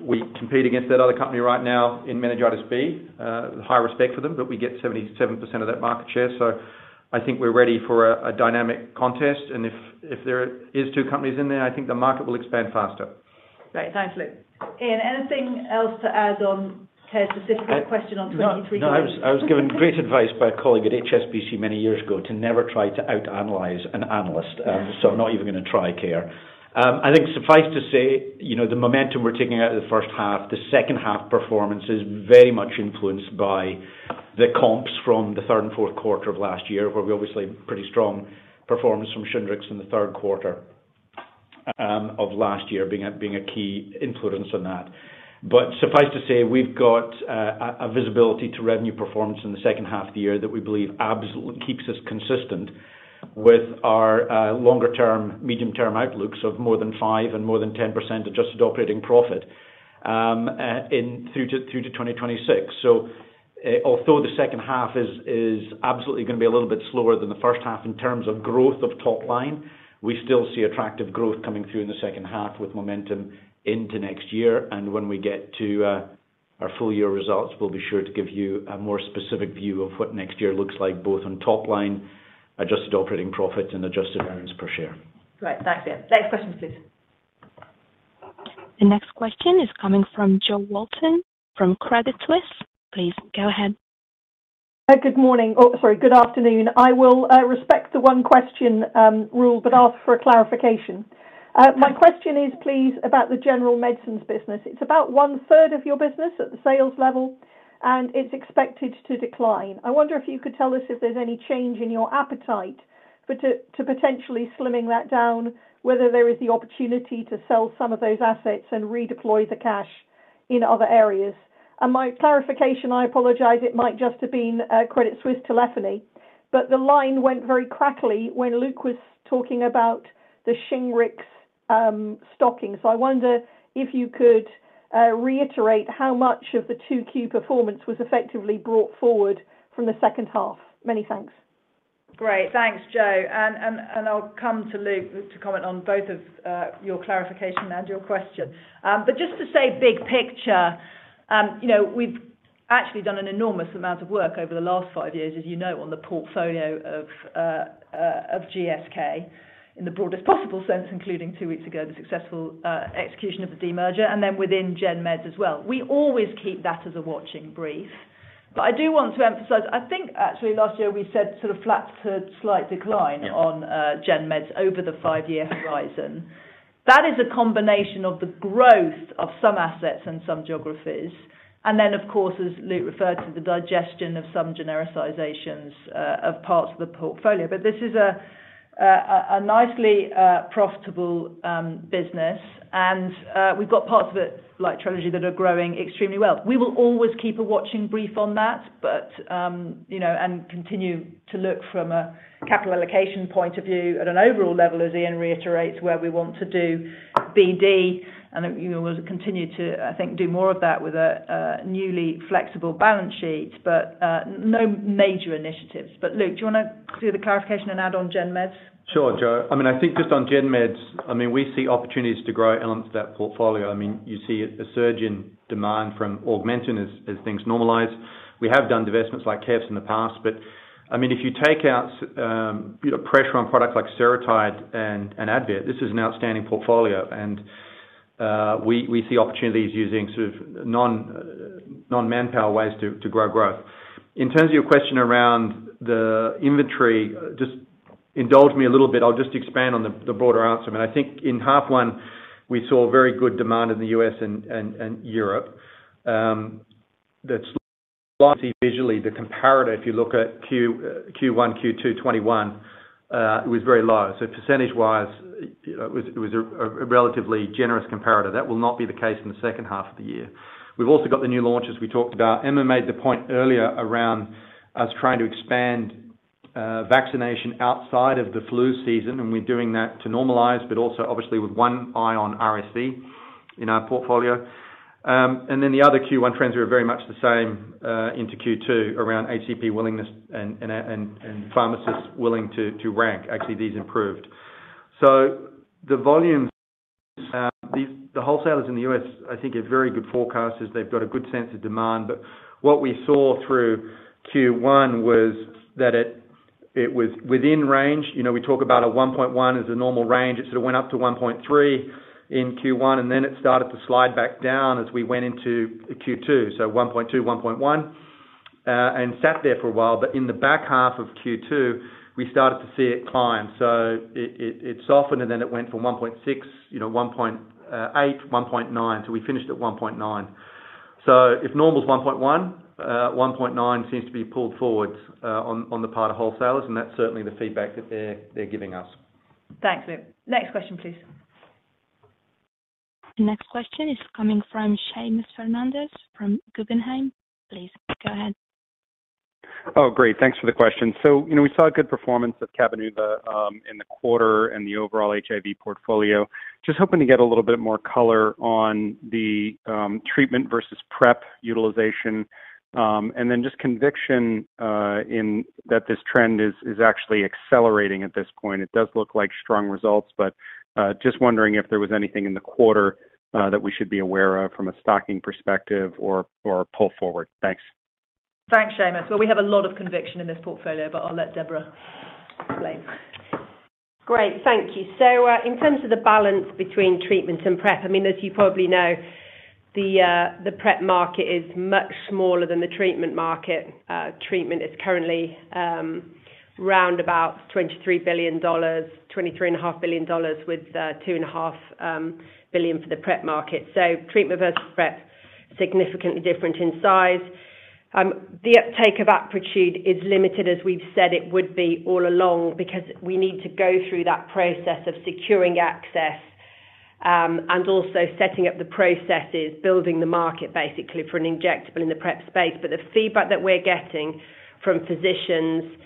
We compete against that other company right now in meningitis B. High respect for them, but we get 77% of that market share. I think we're ready for a dynamic contest. If there is two companies in there, I think the market will expand faster. Great. Thanks, Luke. Iain, anything else to add on Keyur's specific question on 23- No. I was given great advice by a colleague at HSBC many years ago to never try to out analyze an analyst. I'm not even gonna try, Keyur. I think suffice to say, you know, the momentum we're taking out of the first half, the second half performance is very much influenced by the comps from the third and fourth quarter of last year, where we had a pretty strong performance from Shingrix in the third quarter of last year being a key influence on that. Suffice to say, we've got a visibility to revenue performance in the second half of the year that we believe absolutely keeps us consistent with our longer term, medium term outlooks of more than 5% and more than 10% adjusted operating profit in through to 2026. Although the second half is absolutely gonna be a little bit slower than the first half in terms of growth of top line, we still see attractive growth coming through in the second half with momentum into next year. When we get to our full year results, we'll be sure to give you a more specific view of what next year looks like, both on top line, adjusted operating profit, and Adjusted earnings per share. Great. Thanks, Iain. Next question, please. The next question is coming from Jo Walton from Credit Suisse. Please go ahead. Good morning. Sorry, good afternoon. I will respect the one question rule, but ask for a clarification. My question is please about the general medicines business. It's about 1/3 of your business at the sales level, and it's expected to decline. I wonder if you could tell us if there's any change in your appetite for potentially slimming that down, whether there is the opportunity to sell some of those assets and redeploy the cash in other areas. My clarification, I apologize, it might just have been Credit Suisse telephony, but the line went very crackly when Luke was talking about the Shingrix stocking. I wonder if you could reiterate how much of the 2Q performance was effectively brought forward from the second half. Many thanks. Great. Thanks, Jo. I'll come to Luke to comment on both of your clarification and your question. Just to say big picture, you know, we've actually done an enormous amount of work over the last five years, as you know, on the portfolio of GSK in the broadest possible sense, including two weeks ago, the successful execution of the demerger, and then within Gen Meds as well. We always keep that as a watching brief. I do want to emphasize, I think actually last year we said sort of flat to slight decline- Yeah ...on Gen Meds over the five-year horizon. That is a combination of the growth of some assets in some geographies. Of course, as Luke referred to, the digestion of some genericizations of parts of the portfolio. This is a nicely profitable business. We've got parts of it, like Trelegy, that are growing extremely well. We will always keep a watching brief on that, but you know, and continue to look from a capital allocation point of view at an overall level, as Iain reiterates, where we want to do BD, and you know, we'll continue to, I think, do more of that with a newly flexible balance sheet. No major initiatives. Luke, do you want to do the clarification and add on Gen Meds? Sure, Jo. I mean, I think just on Gen Meds, I mean, we see opportunities to grow elements of that portfolio. I mean, you see a surge in demand from Augmentin as things normalize. We have done divestments like Cephs in the past. I mean, if you take out, you know, pressure on products like Seretide and Advair, this is an outstanding portfolio. We see opportunities using sort of non-manpower ways to grow growth. In terms of your question around the inventory, just indulge me a little bit. I'll just expand on the broader answer. I mean, I think in half one, we saw very good demand in the U.S. and Europe. That's visually the comparator, if you look at Q1, Q2 2021, it was very low. Percentage-wise, it was a relatively generous comparator. That will not be the case in the second half of the year. We've also got the new launches we talked about. Emma made the point earlier around us trying to expand vaccination outside of the flu season, and we're doing that to normalize, but also obviously with one eye on RSV in our portfolio. Then the other Q1 trends are very much the same into Q2 around HCP willingness and pharmacists willing to rank. Actually, these improved. The volumes, the wholesalers in the U.S. I think are very good forecasters. They've got a good sense of demand. What we saw through Q1 was that it was within range. You know, we talk about a 1.1% as a normal range. It sort of went up to 1.3 in Q1, and then it started to slide back down as we went into Q2. 1.2, 1.1, and sat there for a while. In the back half of Q2, we started to see it climb. It softened and then it went from 1.6, you know, 1.8, 1.9. We finished at 1.9. If normal is 1.1.9 seems to be pulled forward on the part of wholesalers, and that's certainly the feedback that they're giving us. Thanks, Luke. Next question, please. Next question is coming from Seamus Fernandez from Guggenheim. Please go ahead. Oh, great. Thanks for the question. You know, we saw a good performance of Cabenuva in the quarter and the overall HIV portfolio. Just hoping to get a little bit more color on the treatment versus PrEP utilization, and then just conviction in that this trend is actually accelerating at this point. It does look like strong results, but just wondering if there was anything in the quarter that we should be aware of from a stocking perspective or a pull forward. Thanks. Thanks, Seamus. Well, we have a lot of conviction in this portfolio, but I'll let Deborah explain. Great. Thank you. In terms of the balance between treatment and PrEP, I mean, as you probably know, the PrEP market is much smaller than the treatment market. Treatment is currently round about $23 billion, $23.5 billion with $2.5 billion for the PrEP market. Treatment versus PrEP, significantly different in size. The uptake of Apretude is limited, as we've said it would be all along, because we need to go through that process of securing access, and also setting up the processes, building the market basically for an injectable in the PrEP space. The feedback that we're getting from physicians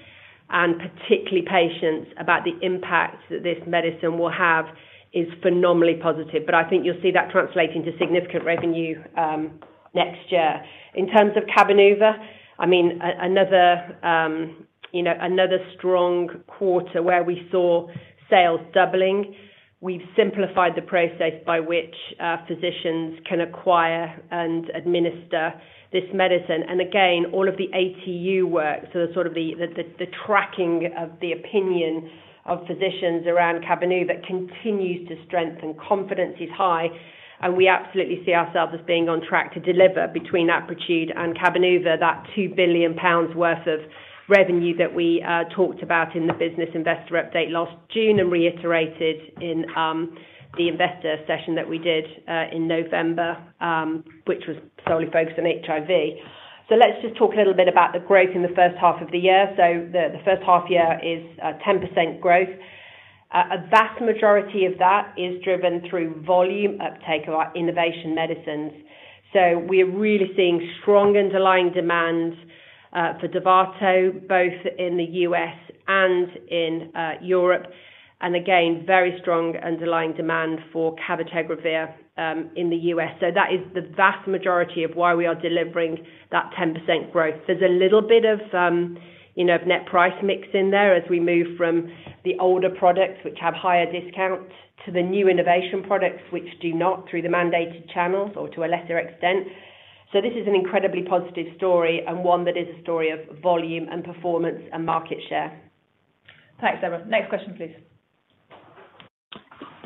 and particularly patients about the impact that this medicine will have is phenomenally positive. I think you'll see that translate into significant revenue next year. In terms of Cabenuva, I mean another strong quarter where we saw sales doubling. We've simplified the process by which physicians can acquire and administer this medicine. Again, all of the ATU work, so sort of the tracking of the opinion of physicians around Cabenuva continues to strengthen. Confidence is high, and we absolutely see ourselves as being on track to deliver between Apretude and Cabenuva, that 2 billion pounds worth of revenue that we talked about in the business investor update last June and reiterated in the investor session that we did in November, which was solely focused on HIV. Let's just talk a little bit about the growth in the first half of the year. The first half year is 10% growth. A vast majority of that is driven through volume uptake of our innovation medicines. We're really seeing strong underlying demand for Dovato, both in the U.S. and in Europe, and again, very strong underlying demand for cabotegravir in the U.S. That is the vast majority of why we are delivering that 10% growth. There's a little bit of, you know, net price mix in there as we move from the older products, which have higher discounts, to the new innovation products, which do not through the mandated channels or to a lesser extent. This is an incredibly positive story and one that is a story of volume and performance and market share. Thanks, Emma. Next question, please.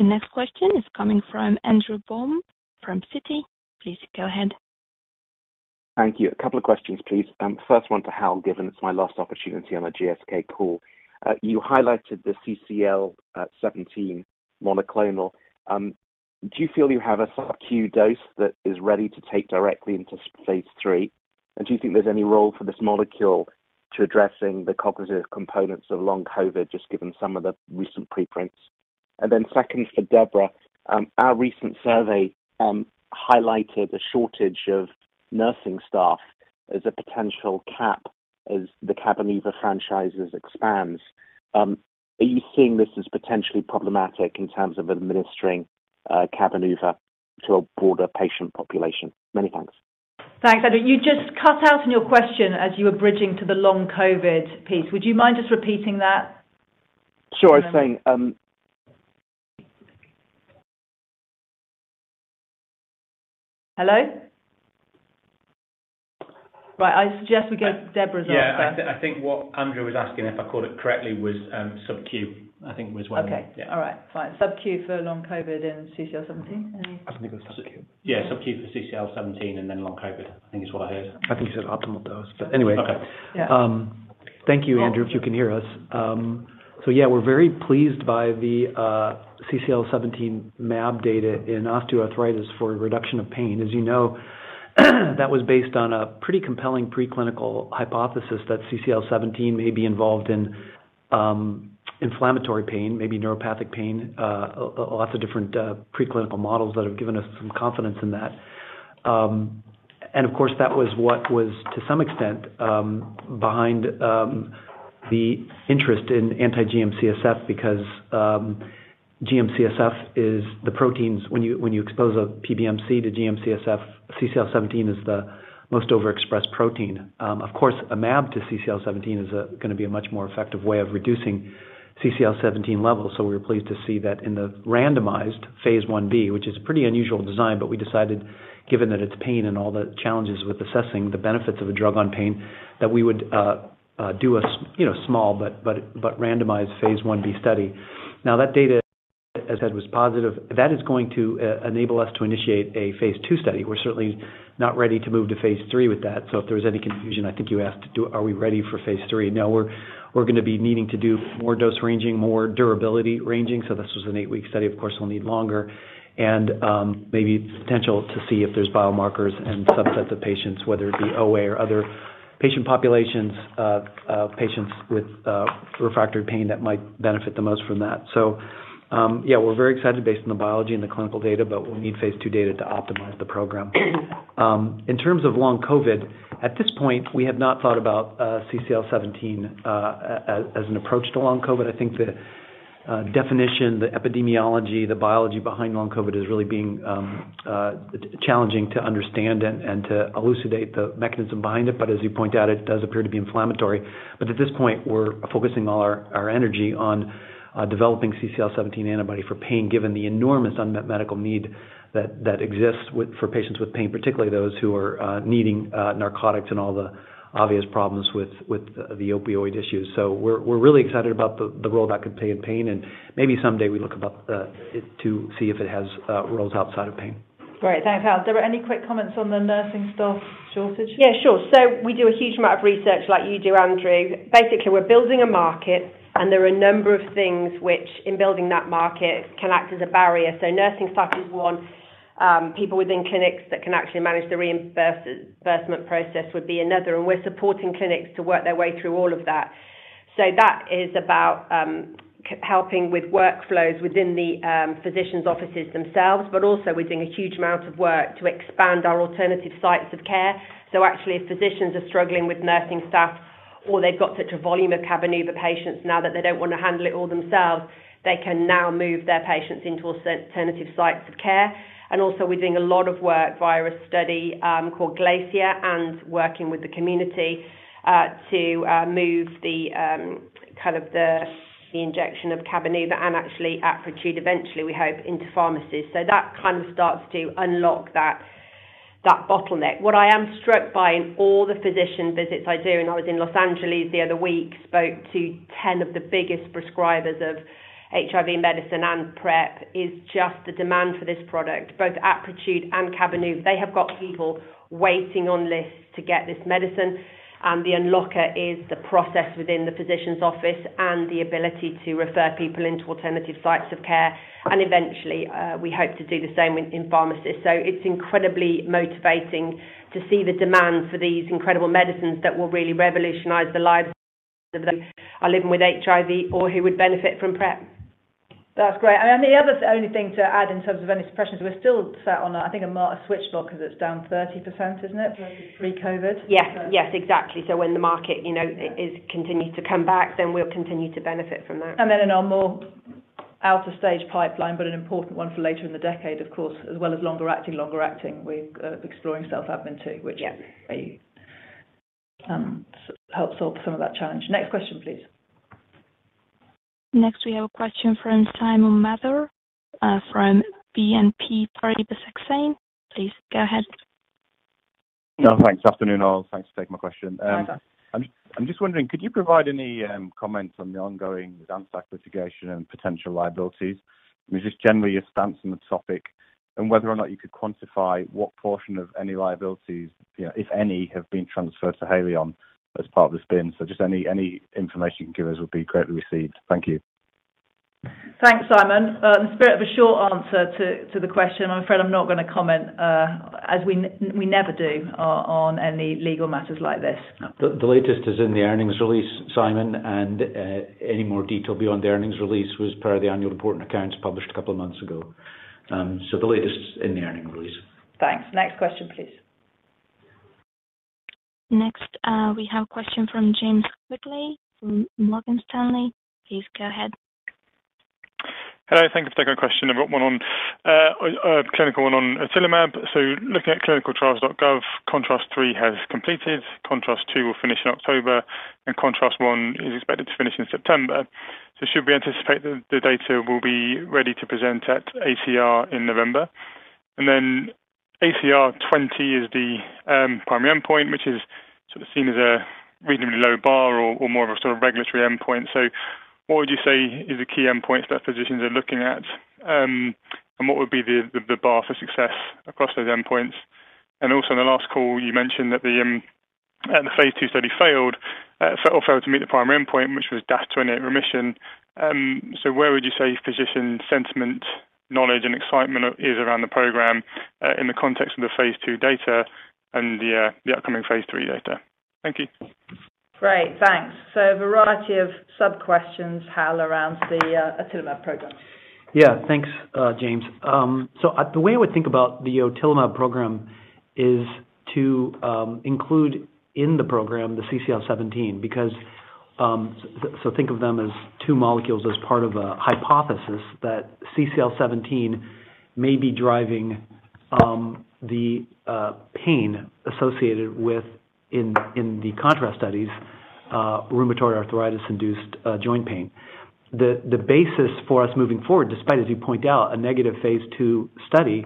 The next question is coming from Andrew Baum from Citi. Please go ahead. Thank you. A couple of questions, please. First one to Hal, given it's my last opportunity on a GSK call. You highlighted the CCL17 monoclonal. Do you feel you have a Sub-Q dose that is ready to take directly into phase III? And do you think there's any role for this molecule to addressing the cognitive components of long COVID, just given some of the recent preprints? Second for Deborah, our recent survey highlighted a shortage of nursing staff as a potential cap as the Cabenuva franchise expands. Are you seeing this as potentially problematic in terms of administering Cabenuva to a broader patient population? Many thanks. Thanks. Andrew, you just cut out in your question as you were bridging to the long COVID piece. Would you mind just repeating that? Sure. I was saying, Hello? Right. I suggest we go to Deborah's answer. Yeah. I think what Andrew was asking, if I called it correctly, was, Sub-Q, I think was one. Okay. All right. Fine. Sub-Q for long COVID in CCL17. I think it was Sub-Q. Yeah, Sub-Q for CCL17 and then long COVID, I think is what I heard. I think he said optimal dose. Anyway. Okay. Yeah. Thank you, Andrew, if you can hear us. Yeah, we're very pleased by the CCL17 mAb data in osteoarthritis for reduction of pain. As you know, that was based on a pretty compelling preclinical hypothesis that CCL17 may be involved in inflammatory pain, maybe neuropathic pain, lots of different preclinical models that have given us some confidence in that. Of course, that was what was, to some extent, behind the interest in anti-GM-CSF because GM-CSF is the protein. When you expose a PBMC to GM-CSF, CCL17 is the most overexpressed protein. Of course, a mAb to CCL17 is gonna be a much more effective way of reducing CCL17 levels. We're pleased to see that in the randomized phase Ib, which is a pretty unusual design, but we decided given that it's pain and all the challenges with assessing the benefits of a drug on pain, that we would do a you know, small but randomized phase Ib study. Now, that data, as said, was positive. That is going to enable us to initiate a phase II study. We're certainly not ready to move to phase III with that. If there was any confusion, I think you asked, are we ready for phase III? No, we're gonna be needing to do more dose ranging, more durability ranging. This was an eight-week study. Of course, we'll need longer and maybe potential to see if there's biomarkers and subsets of patients, whether it be OA or other patient populations of patients with refractory pain that might benefit the most from that. Yeah, we're very excited based on the biology and the clinical data, but we'll need phase II data to optimize the program. In terms of long COVID, at this point, we have not thought about CCL17 as an approach to long COVID. I think the definition, the epidemiology, the biology behind long COVID is really being challenging to understand and to elucidate the mechanism behind it. As you point out, it does appear to be inflammatory. At this point, we're focusing all our energy on developing CCL17 antibody for pain, given the enormous unmet medical need that exists for patients with pain, particularly those who are needing narcotics and all the obvious problems with the opioid issues. We're really excited about the role that could play in pain, and maybe someday we look at it to see if it has roles outside of pain. Great. Thanks, Hal. Deborah, any quick comments on the nursing staff shortage? Yeah, sure. We do a huge amount of research like you do, Andrew. Basically, we're building a market, and there are a number of things which in building that market can act as a barrier. Nursing staff is one. People within clinics that can actually manage the reimbursement process would be another. We're supporting clinics to work their way through all of that. That is about helping with workflows within the physicians' offices themselves, but also we're doing a huge amount of work to expand our alternative sites of care. Actually, if physicians are struggling with nursing staff or they've got such a volume of Cabenuva patients now that they don't want to handle it all themselves, they can now move their patients into alternative sites of care. We're doing a lot of work via a study called GLACIER and working with the community to move the kind of the injection of Cabenuva and actually Apretude eventually, we hope, into pharmacies. That kind of starts to unlock that. That bottleneck. What I am struck by in all the physician visits I do, and I was in Los Angeles the other week, spoke to 10 of the biggest prescribers of HIV medicine and PrEP, is just the demand for this product, both Apretude and Cabenuva. They have got people waiting on lists to get this medicine, and the unlocker is the process within the physician's office and the ability to refer people into alternative sites of care. Eventually, we hope to do the same in pharmacists. It's incredibly motivating to see the demand for these incredible medicines that will really revolutionize the lives of those living with HIV or who would benefit from PrEP. That's great. The other only thing to add in terms of any suppressions, we're still sat on, I think, a market switch because it's down 30%, isn't it? Pre-COVID. Yes. Yes, exactly. When the market, you know, is continuing to come back, then we'll continue to benefit from that. Then in our more outer stage pipeline, but an important one for later in the decade, of course, as well as longer-acting, we're exploring self-admin too, which may help solve some of that challenge. Next question, please. Next, we have a question from Simon Mather from BNP Paribas Exane. Please go ahead. Oh, thanks. Afternoon all. Thanks for taking my question. Hi, Simon. I'm just wondering, could you provide any comments on the ongoing ViiV litigation and potential liabilities? Just generally your stance on the topic and whether or not you could quantify what portion of any liabilities, if any, have been transferred to Haleon as part of the spin. Just any information you can give us would be greatly received. Thank you. Thanks, Simon. In the spirit of a short answer to the question, I'm afraid I'm not gonna comment, as we never do on any legal matters like this. The latest is in the earnings release, Simon, and any more detail beyond the earnings release was per the annual report and accounts published a couple of months ago. The latest is in the earnings release. Thanks. Next question, please. Next, we have a question from James Quigley from Morgan Stanley. Please go ahead. Hello. Thank you for taking my question. I've got one on clinical one on otilimab. Looking at ClinicalTrials.gov, ContRAst-3 has completed, ContRAst-2 will finish in October, and ContRAst-1 is expected to finish in September. Should we anticipate the data will be ready to present at ACR in November? And then ACR20 is the primary endpoint, which is sort of seen as a reasonably low bar or more of a sort of regulatory endpoint. What would you say is the key endpoint that physicians are looking at? And what would be the bar for success across those endpoints? And also in the last call, you mentioned that the phase II study failed to meet the primary endpoint, which was day 28 remission. Where would you say physician sentiment, knowledge, and excitement is around the program, in the context of the phase II data and the upcoming phase III data? Thank you. Great. Thanks. A variety of sub-questions, Hal, around the otilimab program. Yeah. Thanks, James. The way I would think about the otilimab program is to include in the program the CCL seventeen because think of them as two molecules as part of a hypothesis that CCL seventeen may be driving the pain associated with the ContRAst studies, rheumatoid arthritis-induced joint pain. The basis for us moving forward, despite, as you point out, a negative phase II study,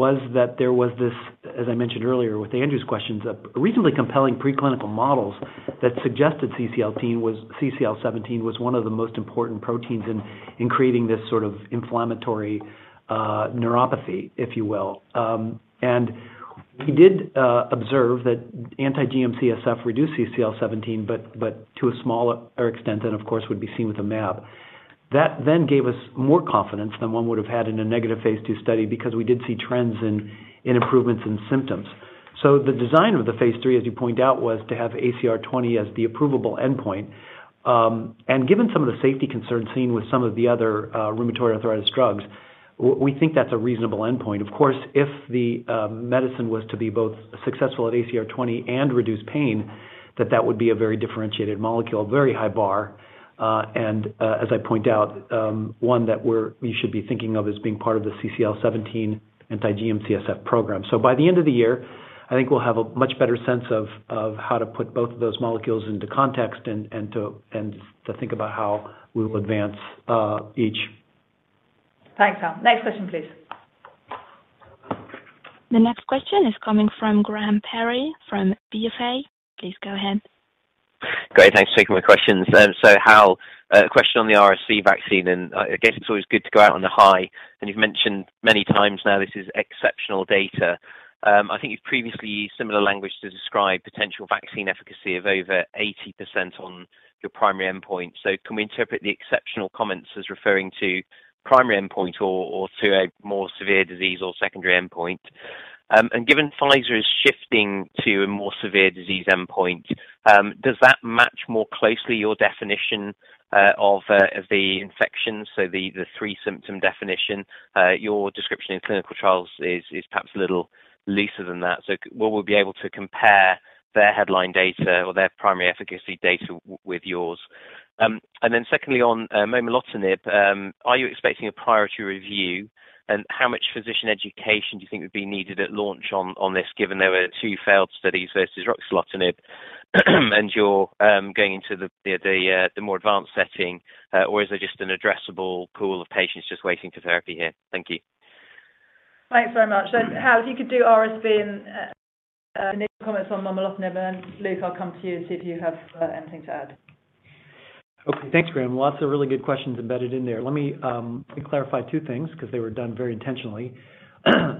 was that there was this, as I mentioned earlier with Andrew's questions, a reasonably compelling preclinical models that suggested CCL seventeen was one of the most important proteins in creating this sort of inflammatory neuropathy, if you will. We did observe that anti-GM-CSF reduced CCL seventeen, but to a smaller extent than, of course, would be seen with a mAb. That then gave us more confidence than one would have had in a negative phase II study because we did see trends in improvements in symptoms. The design of the phase III, as you point out, was to have ACR 20 as the approvable endpoint. Given some of the safety concerns seen with some of the other rheumatoid arthritis drugs, we think that's a reasonable endpoint. Of course, if the medicine was to be both successful at ACR 20 and reduce pain, that would be a very differentiated molecule, very high bar, and as I point out, one that you should be thinking of as being part of the CCL17 anti-GM-CSF program. By the end of the year, I think we'll have a much better sense of how to put both of those molecules into context and to think about how we will advance each. Thanks, Hal. Next question, please. The next question is coming from Graham Parry from BofA. Please go ahead. Great. Thanks for taking my questions. Hal, a question on the RSV vaccine, and I guess it's always good to go out on a high. You've mentioned many times now this is exceptional data. I think you've previously used similar language to describe potential vaccine efficacy of over 80% on your primary endpoint. Can we interpret the exceptional comments as referring to primary endpoint or to a more severe disease or secondary endpoint? Given Pfizer is shifting to a more severe disease endpoint, does that match more closely your definition of the infection, so the three symptom definition? Your description in clinical trials is perhaps a little looser than that. Will we be able to compare their headline data or their primary efficacy data with yours? Secondly, on momelotinib, are you expecting a priority review? How much physician education do you think would be needed at launch on this, given there were two failed studies versus ruxolitinib? You're going into the more advanced setting, or is there just an addressable pool of patients just waiting for therapy here? Thank you. Thanks very much. Hal, if you could do RSV and any comments on momelotinib, and Luke, I'll come to you, see if you have anything to add. Okay, thanks, Graham. Lots of really good questions embedded in there. Let me clarify two things because they were done very intentionally.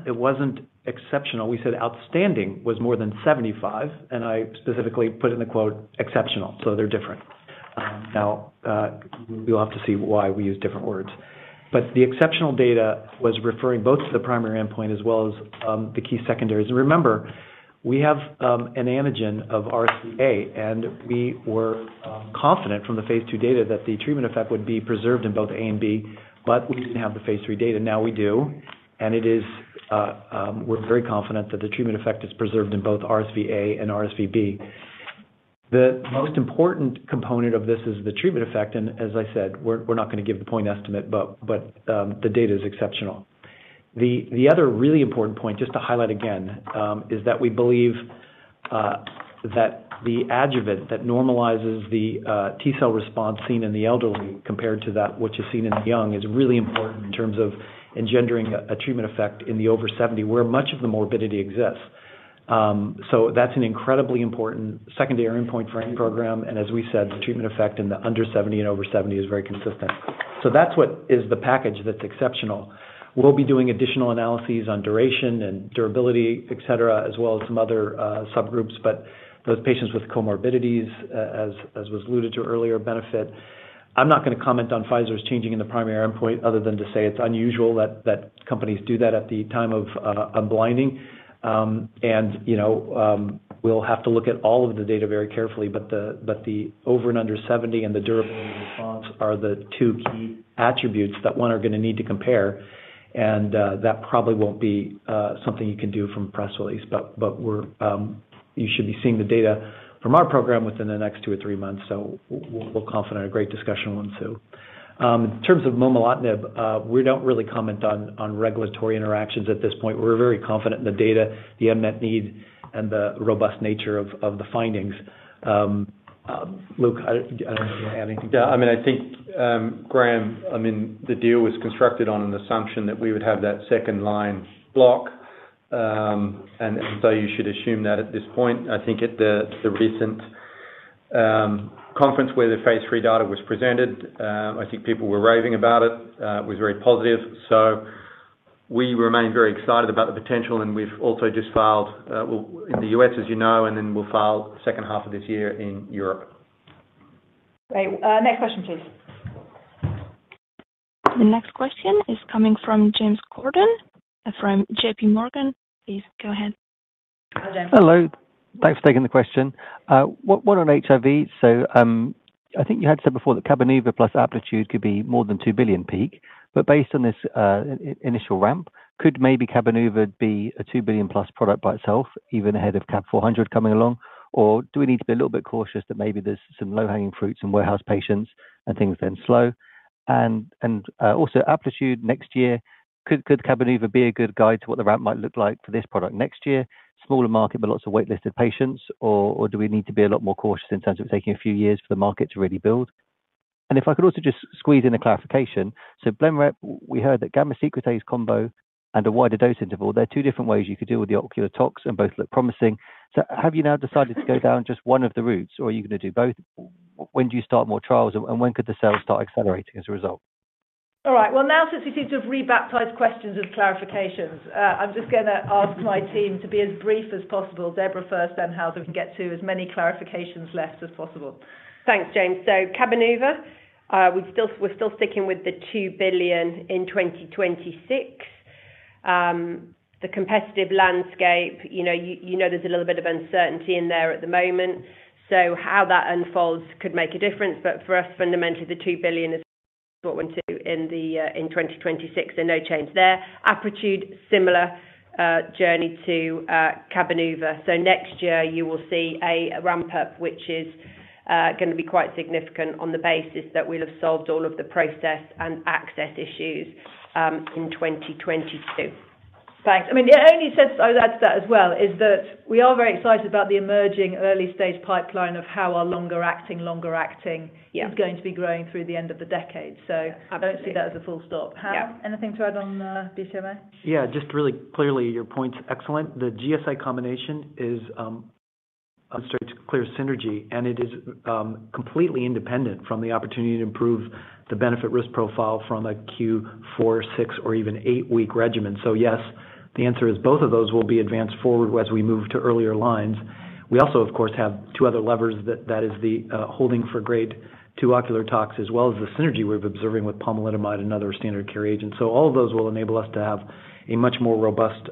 It wasn't exceptional. We said outstanding was more than 75, and I specifically put it in the quote, "exceptional," so they're different. Now, we'll have to see why we use different words. The exceptional data was referring both to the primary endpoint as well as the key secondaries. Remember, we have an antigen of RSVA, and we were confident from the phase II data that the treatment effect would be preserved in both A and B, but we didn't have the phase III data. Now we do. It is, we're very confident that the treatment effect is preserved in both RSVA and RSVB. The most important component of this is the treatment effect, and as I said, we're not going to give the point estimate, but the data is exceptional. The other really important point, just to highlight again, is that we believe that the adjuvant that normalizes the T-cell response seen in the elderly compared to that which is seen in the young, is really important in terms of engendering a treatment effect in the over 70, where much of the morbidity exists. That's an incredibly important secondary endpoint for any program. As we said, the treatment effect in the under 70 and over 70 is very consistent. That's what is the package that's exceptional. We'll be doing additional analyses on duration and durability, et cetera, as well as some other subgroups, but those patients with comorbidities, as was alluded to earlier, benefit. I'm not going to comment on Pfizer's changing in the primary endpoint other than to say it's unusual that companies do that at the time of unblinding. We'll have to look at all of the data very carefully. The over and under seventy and the durable response are the two key attributes that one are going to need to compare. That probably won't be something you can do from a press release. You should be seeing the data from our program within the next two or three months, so we're confident a great discussion on two. In terms of momelotinib, we don't really comment on regulatory interactions at this point. We're very confident in the data, the unmet need and the robust nature of the findings. Luke, I don't know if you have anything to add. Yeah. I mean, I think, Graham, I mean, the deal was constructed on an assumption that we would have that second line block. You should assume that at this point. I think at the recent conference where the phase III data was presented, I think people were raving about it. It was very positive. We remain very excited about the potential, and we've also just filed, well, in the U.S., as you know, and then we'll file second half of this year in Europe. Great. Next question, please. The next question is coming from James Gordon from J.P. Morgan. Please go ahead. Hi, James. Hello. Thanks for taking the question. One on HIV. I think you had said before that Cabenuva plus Apretude could be more than 2 billion peak, but based on this, initial ramp, could maybe Cabenuva be a 2 billion+ product by itself, even ahead of CAB 400 mg coming along? Or do we need to be a little bit cautious that maybe there's some low-hanging fruits in warehouse patients and things then slow? Also Apretude next year, could Cabenuva be a good guide to what the ramp might look like for this product next year? Smaller market, but lots of wait-listed patients. Or do we need to be a lot more cautious in terms of taking a few years for the market to really build? If I could also just squeeze in a clarification. Blenrep, we heard that gamma secretase combo and a wider dose interval, there are two different ways you could deal with the ocular tox, and both look promising. Have you now decided to go down just one of the routes, or are you going to do both? When do you start more trials, and when could the sales start accelerating as a result? All right. Well, now since we seem to have re-baptized questions as clarifications, I'm just gonna ask my team to be as brief as possible. Deborah first, then Hal, so we can get to as many clarifications left as possible. Thanks, James. Cabenuva, we're still sticking with the 2 billion in 2026. The competitive landscape, you know, there's a little bit of uncertainty in there at the moment. How that unfolds could make a difference. For us, fundamentally, the 2 billion is what we're into in 2026 and no change there. Apretude, similar journey to Cabenuva. Next year you will see a ramp-up, which is gonna be quite significant on the basis that we'll have solved all of the process and access issues in 2022. Thanks. I mean, it only says, I'll add to that as well, is that we are very excited about the emerging early-stage pipeline of how our longer-acting- Yeah. ...is going to be growing through the end of the decade. Absolutely. Don't see that as a full stop. Yeah. Hal, anything to add on, BCMA? Yeah, just really clearly, your point's excellent. The GSI combination shows clear synergy, and it is completely independent from the opportunity to improve the benefit-risk profile from a four, six, or even eight week regimen. Yes, the answer is both of those will be advanced forward as we move to earlier lines. We also, of course, have two other levers. That is the halting for grade two ocular tox, as well as the synergy we're observing with pomalidomide and other standard-of-care agents. All of those will enable us to have a much more robust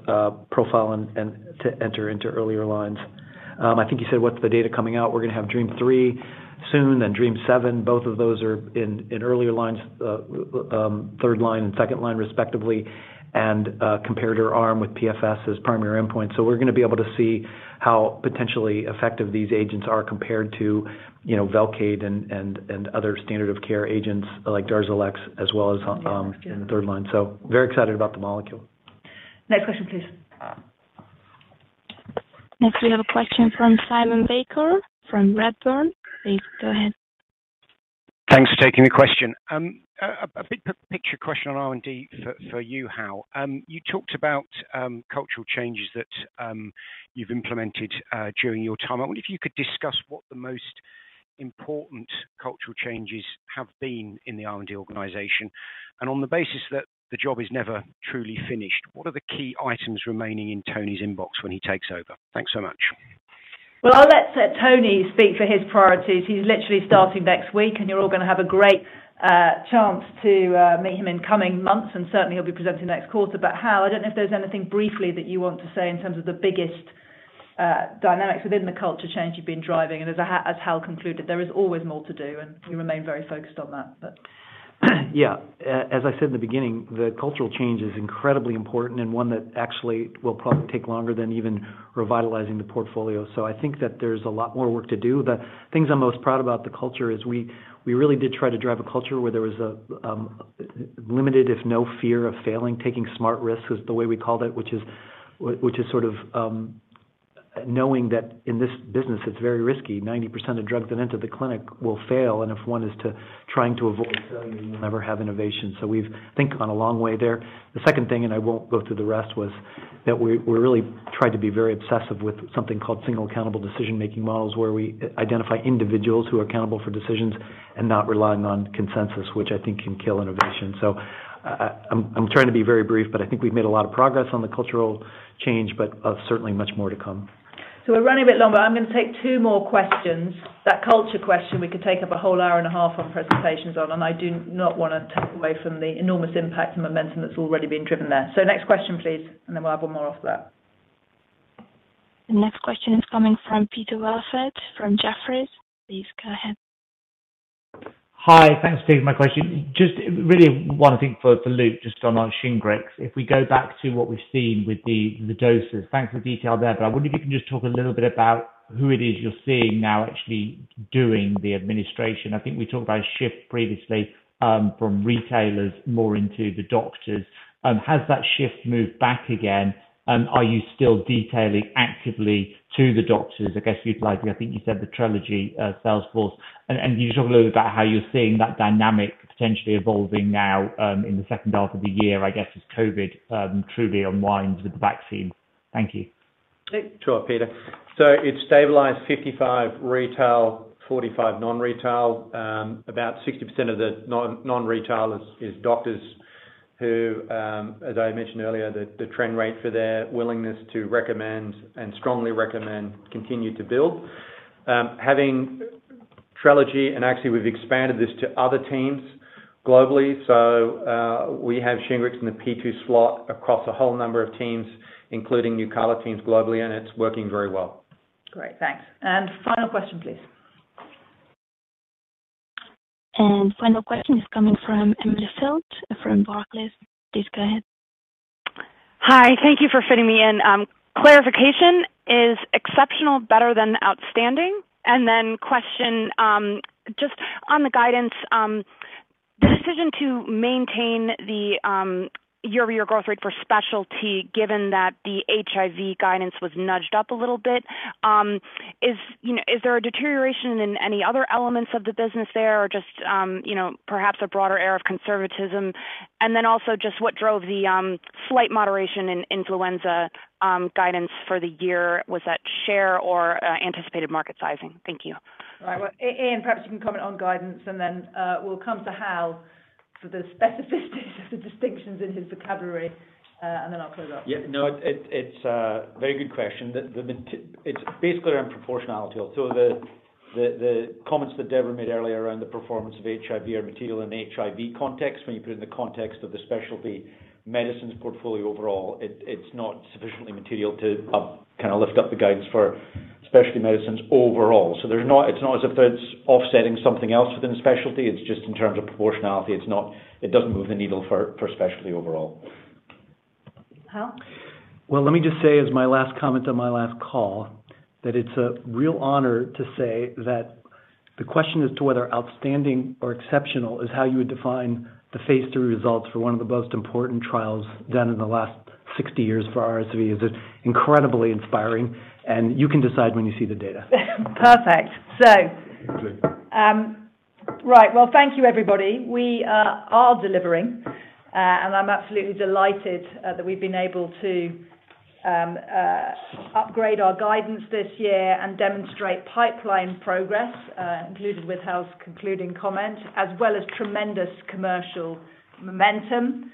profile and to enter into earlier lines. I think you said, what's the data coming out? We're gonna have DREAMM-3 soon and DREAMM-7. Both of those are in earlier lines, third line and second line, respectively, and comparator arm with PFS as primary endpoint. We're gonna be able to see how potentially effective these agents are compared to, you know, Velcade and other standard of care agents like Darzalex, as well as in the third line. Very excited about the molecule. Next question, please. Next, we have a question from Simon Baker from Redburn. Please go ahead. Thanks for taking the question. A big picture question on R&D for you, Hal. You talked about cultural changes that you've implemented during your time. I wonder if you could discuss what the most important cultural changes have been in the R&D organization. On the basis that the job is never truly finished, what are the key items remaining in Tony's inbox when he takes over? Thanks so much. Well, I'll let Tony speak for his priorities. He's literally starting next week, and you're all gonna have a great chance to meet him in coming months, and certainly he'll be presenting next quarter. Hal, I don't know if there's anything briefly that you want to say in terms of the biggest dynamics within the culture change you've been driving. As Hal concluded, there is always more to do, and we remain very focused on that. Yeah, as I said in the beginning, the cultural change is incredibly important and one that actually will probably take longer than even revitalizing the portfolio. I think that there's a lot more work to do, but things I'm most proud about the culture is we really did try to drive a culture where there was a limited or no fear of failing, taking smart risks was the way we called it, which is sort of knowing that in this business, it's very risky. 90% of drugs that enter the clinic will fail, and if one is trying to avoid failing, you'll never have innovation. We think we've come a long way there. The second thing, and I won't go through the rest, was that we really tried to be very obsessive with something called single accountable decision-making models, where we identify individuals who are accountable for decisions and not relying on consensus, which I think can kill innovation. I'm trying to be very brief, but I think we've made a lot of progress on the cultural change, but certainly much more to come. We're running a bit long, but I'm gonna take two more questions. That culture question, we could take up a whole hour and a half on presentations on, and I do not wanna take away from the enormous impact and momentum that's already been driven there. Next question, please, and then we'll have one more after that. The next question is coming from Peter Welford from Jefferies. Please go ahead. Hi. Thanks for taking my question. Just really one thing for Luke, just on Shingrix. If we go back to what we've seen with the doses, thanks for the detail there, but I wonder if you can just talk a little bit about who it is you're seeing now actually doing the administration. I think we talked about a shift previously, from retailers more into the doctors. Has that shift moved back again? Are you still detailing actively to the doctors, I guess, utilizing, I think you said the Trelegy sales force. And can you talk a little bit about how you're seeing that dynamic potentially evolving now, in the second half of the year, I guess, as COVID truly unwinds with the vaccine. Thank you. Sure, Peter. It's stabilized 55% retail, 45% non-retail. About 60% of the non-retail is doctors who, as I mentioned earlier, the trend rate for their willingness to recommend and strongly recommend continue to build. Having Trelegy, and actually we've expanded this to other teams globally. We have Shingrix in the P two slot across a whole number of teams, including Nucala teams globally, and it's working very well. Great. Thanks. Final question, please. Final question is coming from Emily Field from Barclays. Please go ahead. Hi. Thank you for fitting me in. Clarification, is exceptional better than outstanding? Then question, just on the guidance, the decision to maintain the year-over-year growth rate for specialty, given that the HIV guidance was nudged up a little bit, is, you know, is there a deterioration in any other elements of the business there or just, you know, perhaps a broader aura of conservatism? Then also just what drove the slight moderation in influenza guidance for the year? Was that share or anticipated market sizing? Thank you. All right. Well, Iain, perhaps you can comment on guidance, and then we'll come to Hal for the specificities of the distinctions in his vocabulary, and then I'll close up. Yeah, no, it's a very good question. It's basically around proportionality. The comments that Deborah made earlier around the performance of HIV are material in HIV context. When you put it in the context of the specialty medicines portfolio overall, it's not sufficiently material to kinda lift up the guidance for specialty medicines overall. There's not. It's not as if it's offsetting something else within specialty. It's just in terms of proportionality. It's not. It doesn't move the needle for specialty overall. Hal? Well, let me just say as my last comment on my last call that it's a real honor to say that the question as to whether outstanding or exceptional is how you would define the phase III results for one of the most important trials done in the last 60 years for RSV is incredibly inspiring, and you can decide when you see the data. Perfect. Right. Well, thank you, everybody. We are delivering and I'm absolutely delighted that we've been able to upgrade our guidance this year and demonstrate pipeline progress, included with Hal's concluding comment, as well as tremendous commercial momentum.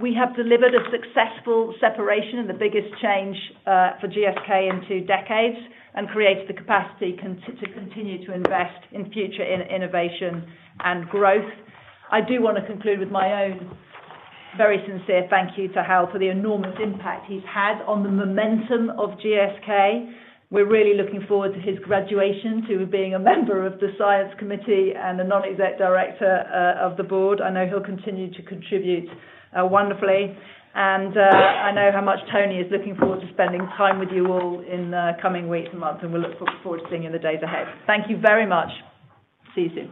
We have delivered a successful separation and the biggest change for GSK in two decades and created the capacity to continue to invest in future innovation and growth. I do wanna conclude with my own very sincere thank you to Hal for the enormous impact he's had on the momentum of GSK. We're really looking forward to his graduation to being a member of the science committee and a non-exec director of the board. I know he'll continue to contribute wonderfully. I know how much Tony is looking forward to spending time with you all in the coming weeks and months, and we look forward to seeing you in the days ahead. Thank you very much. See you soon.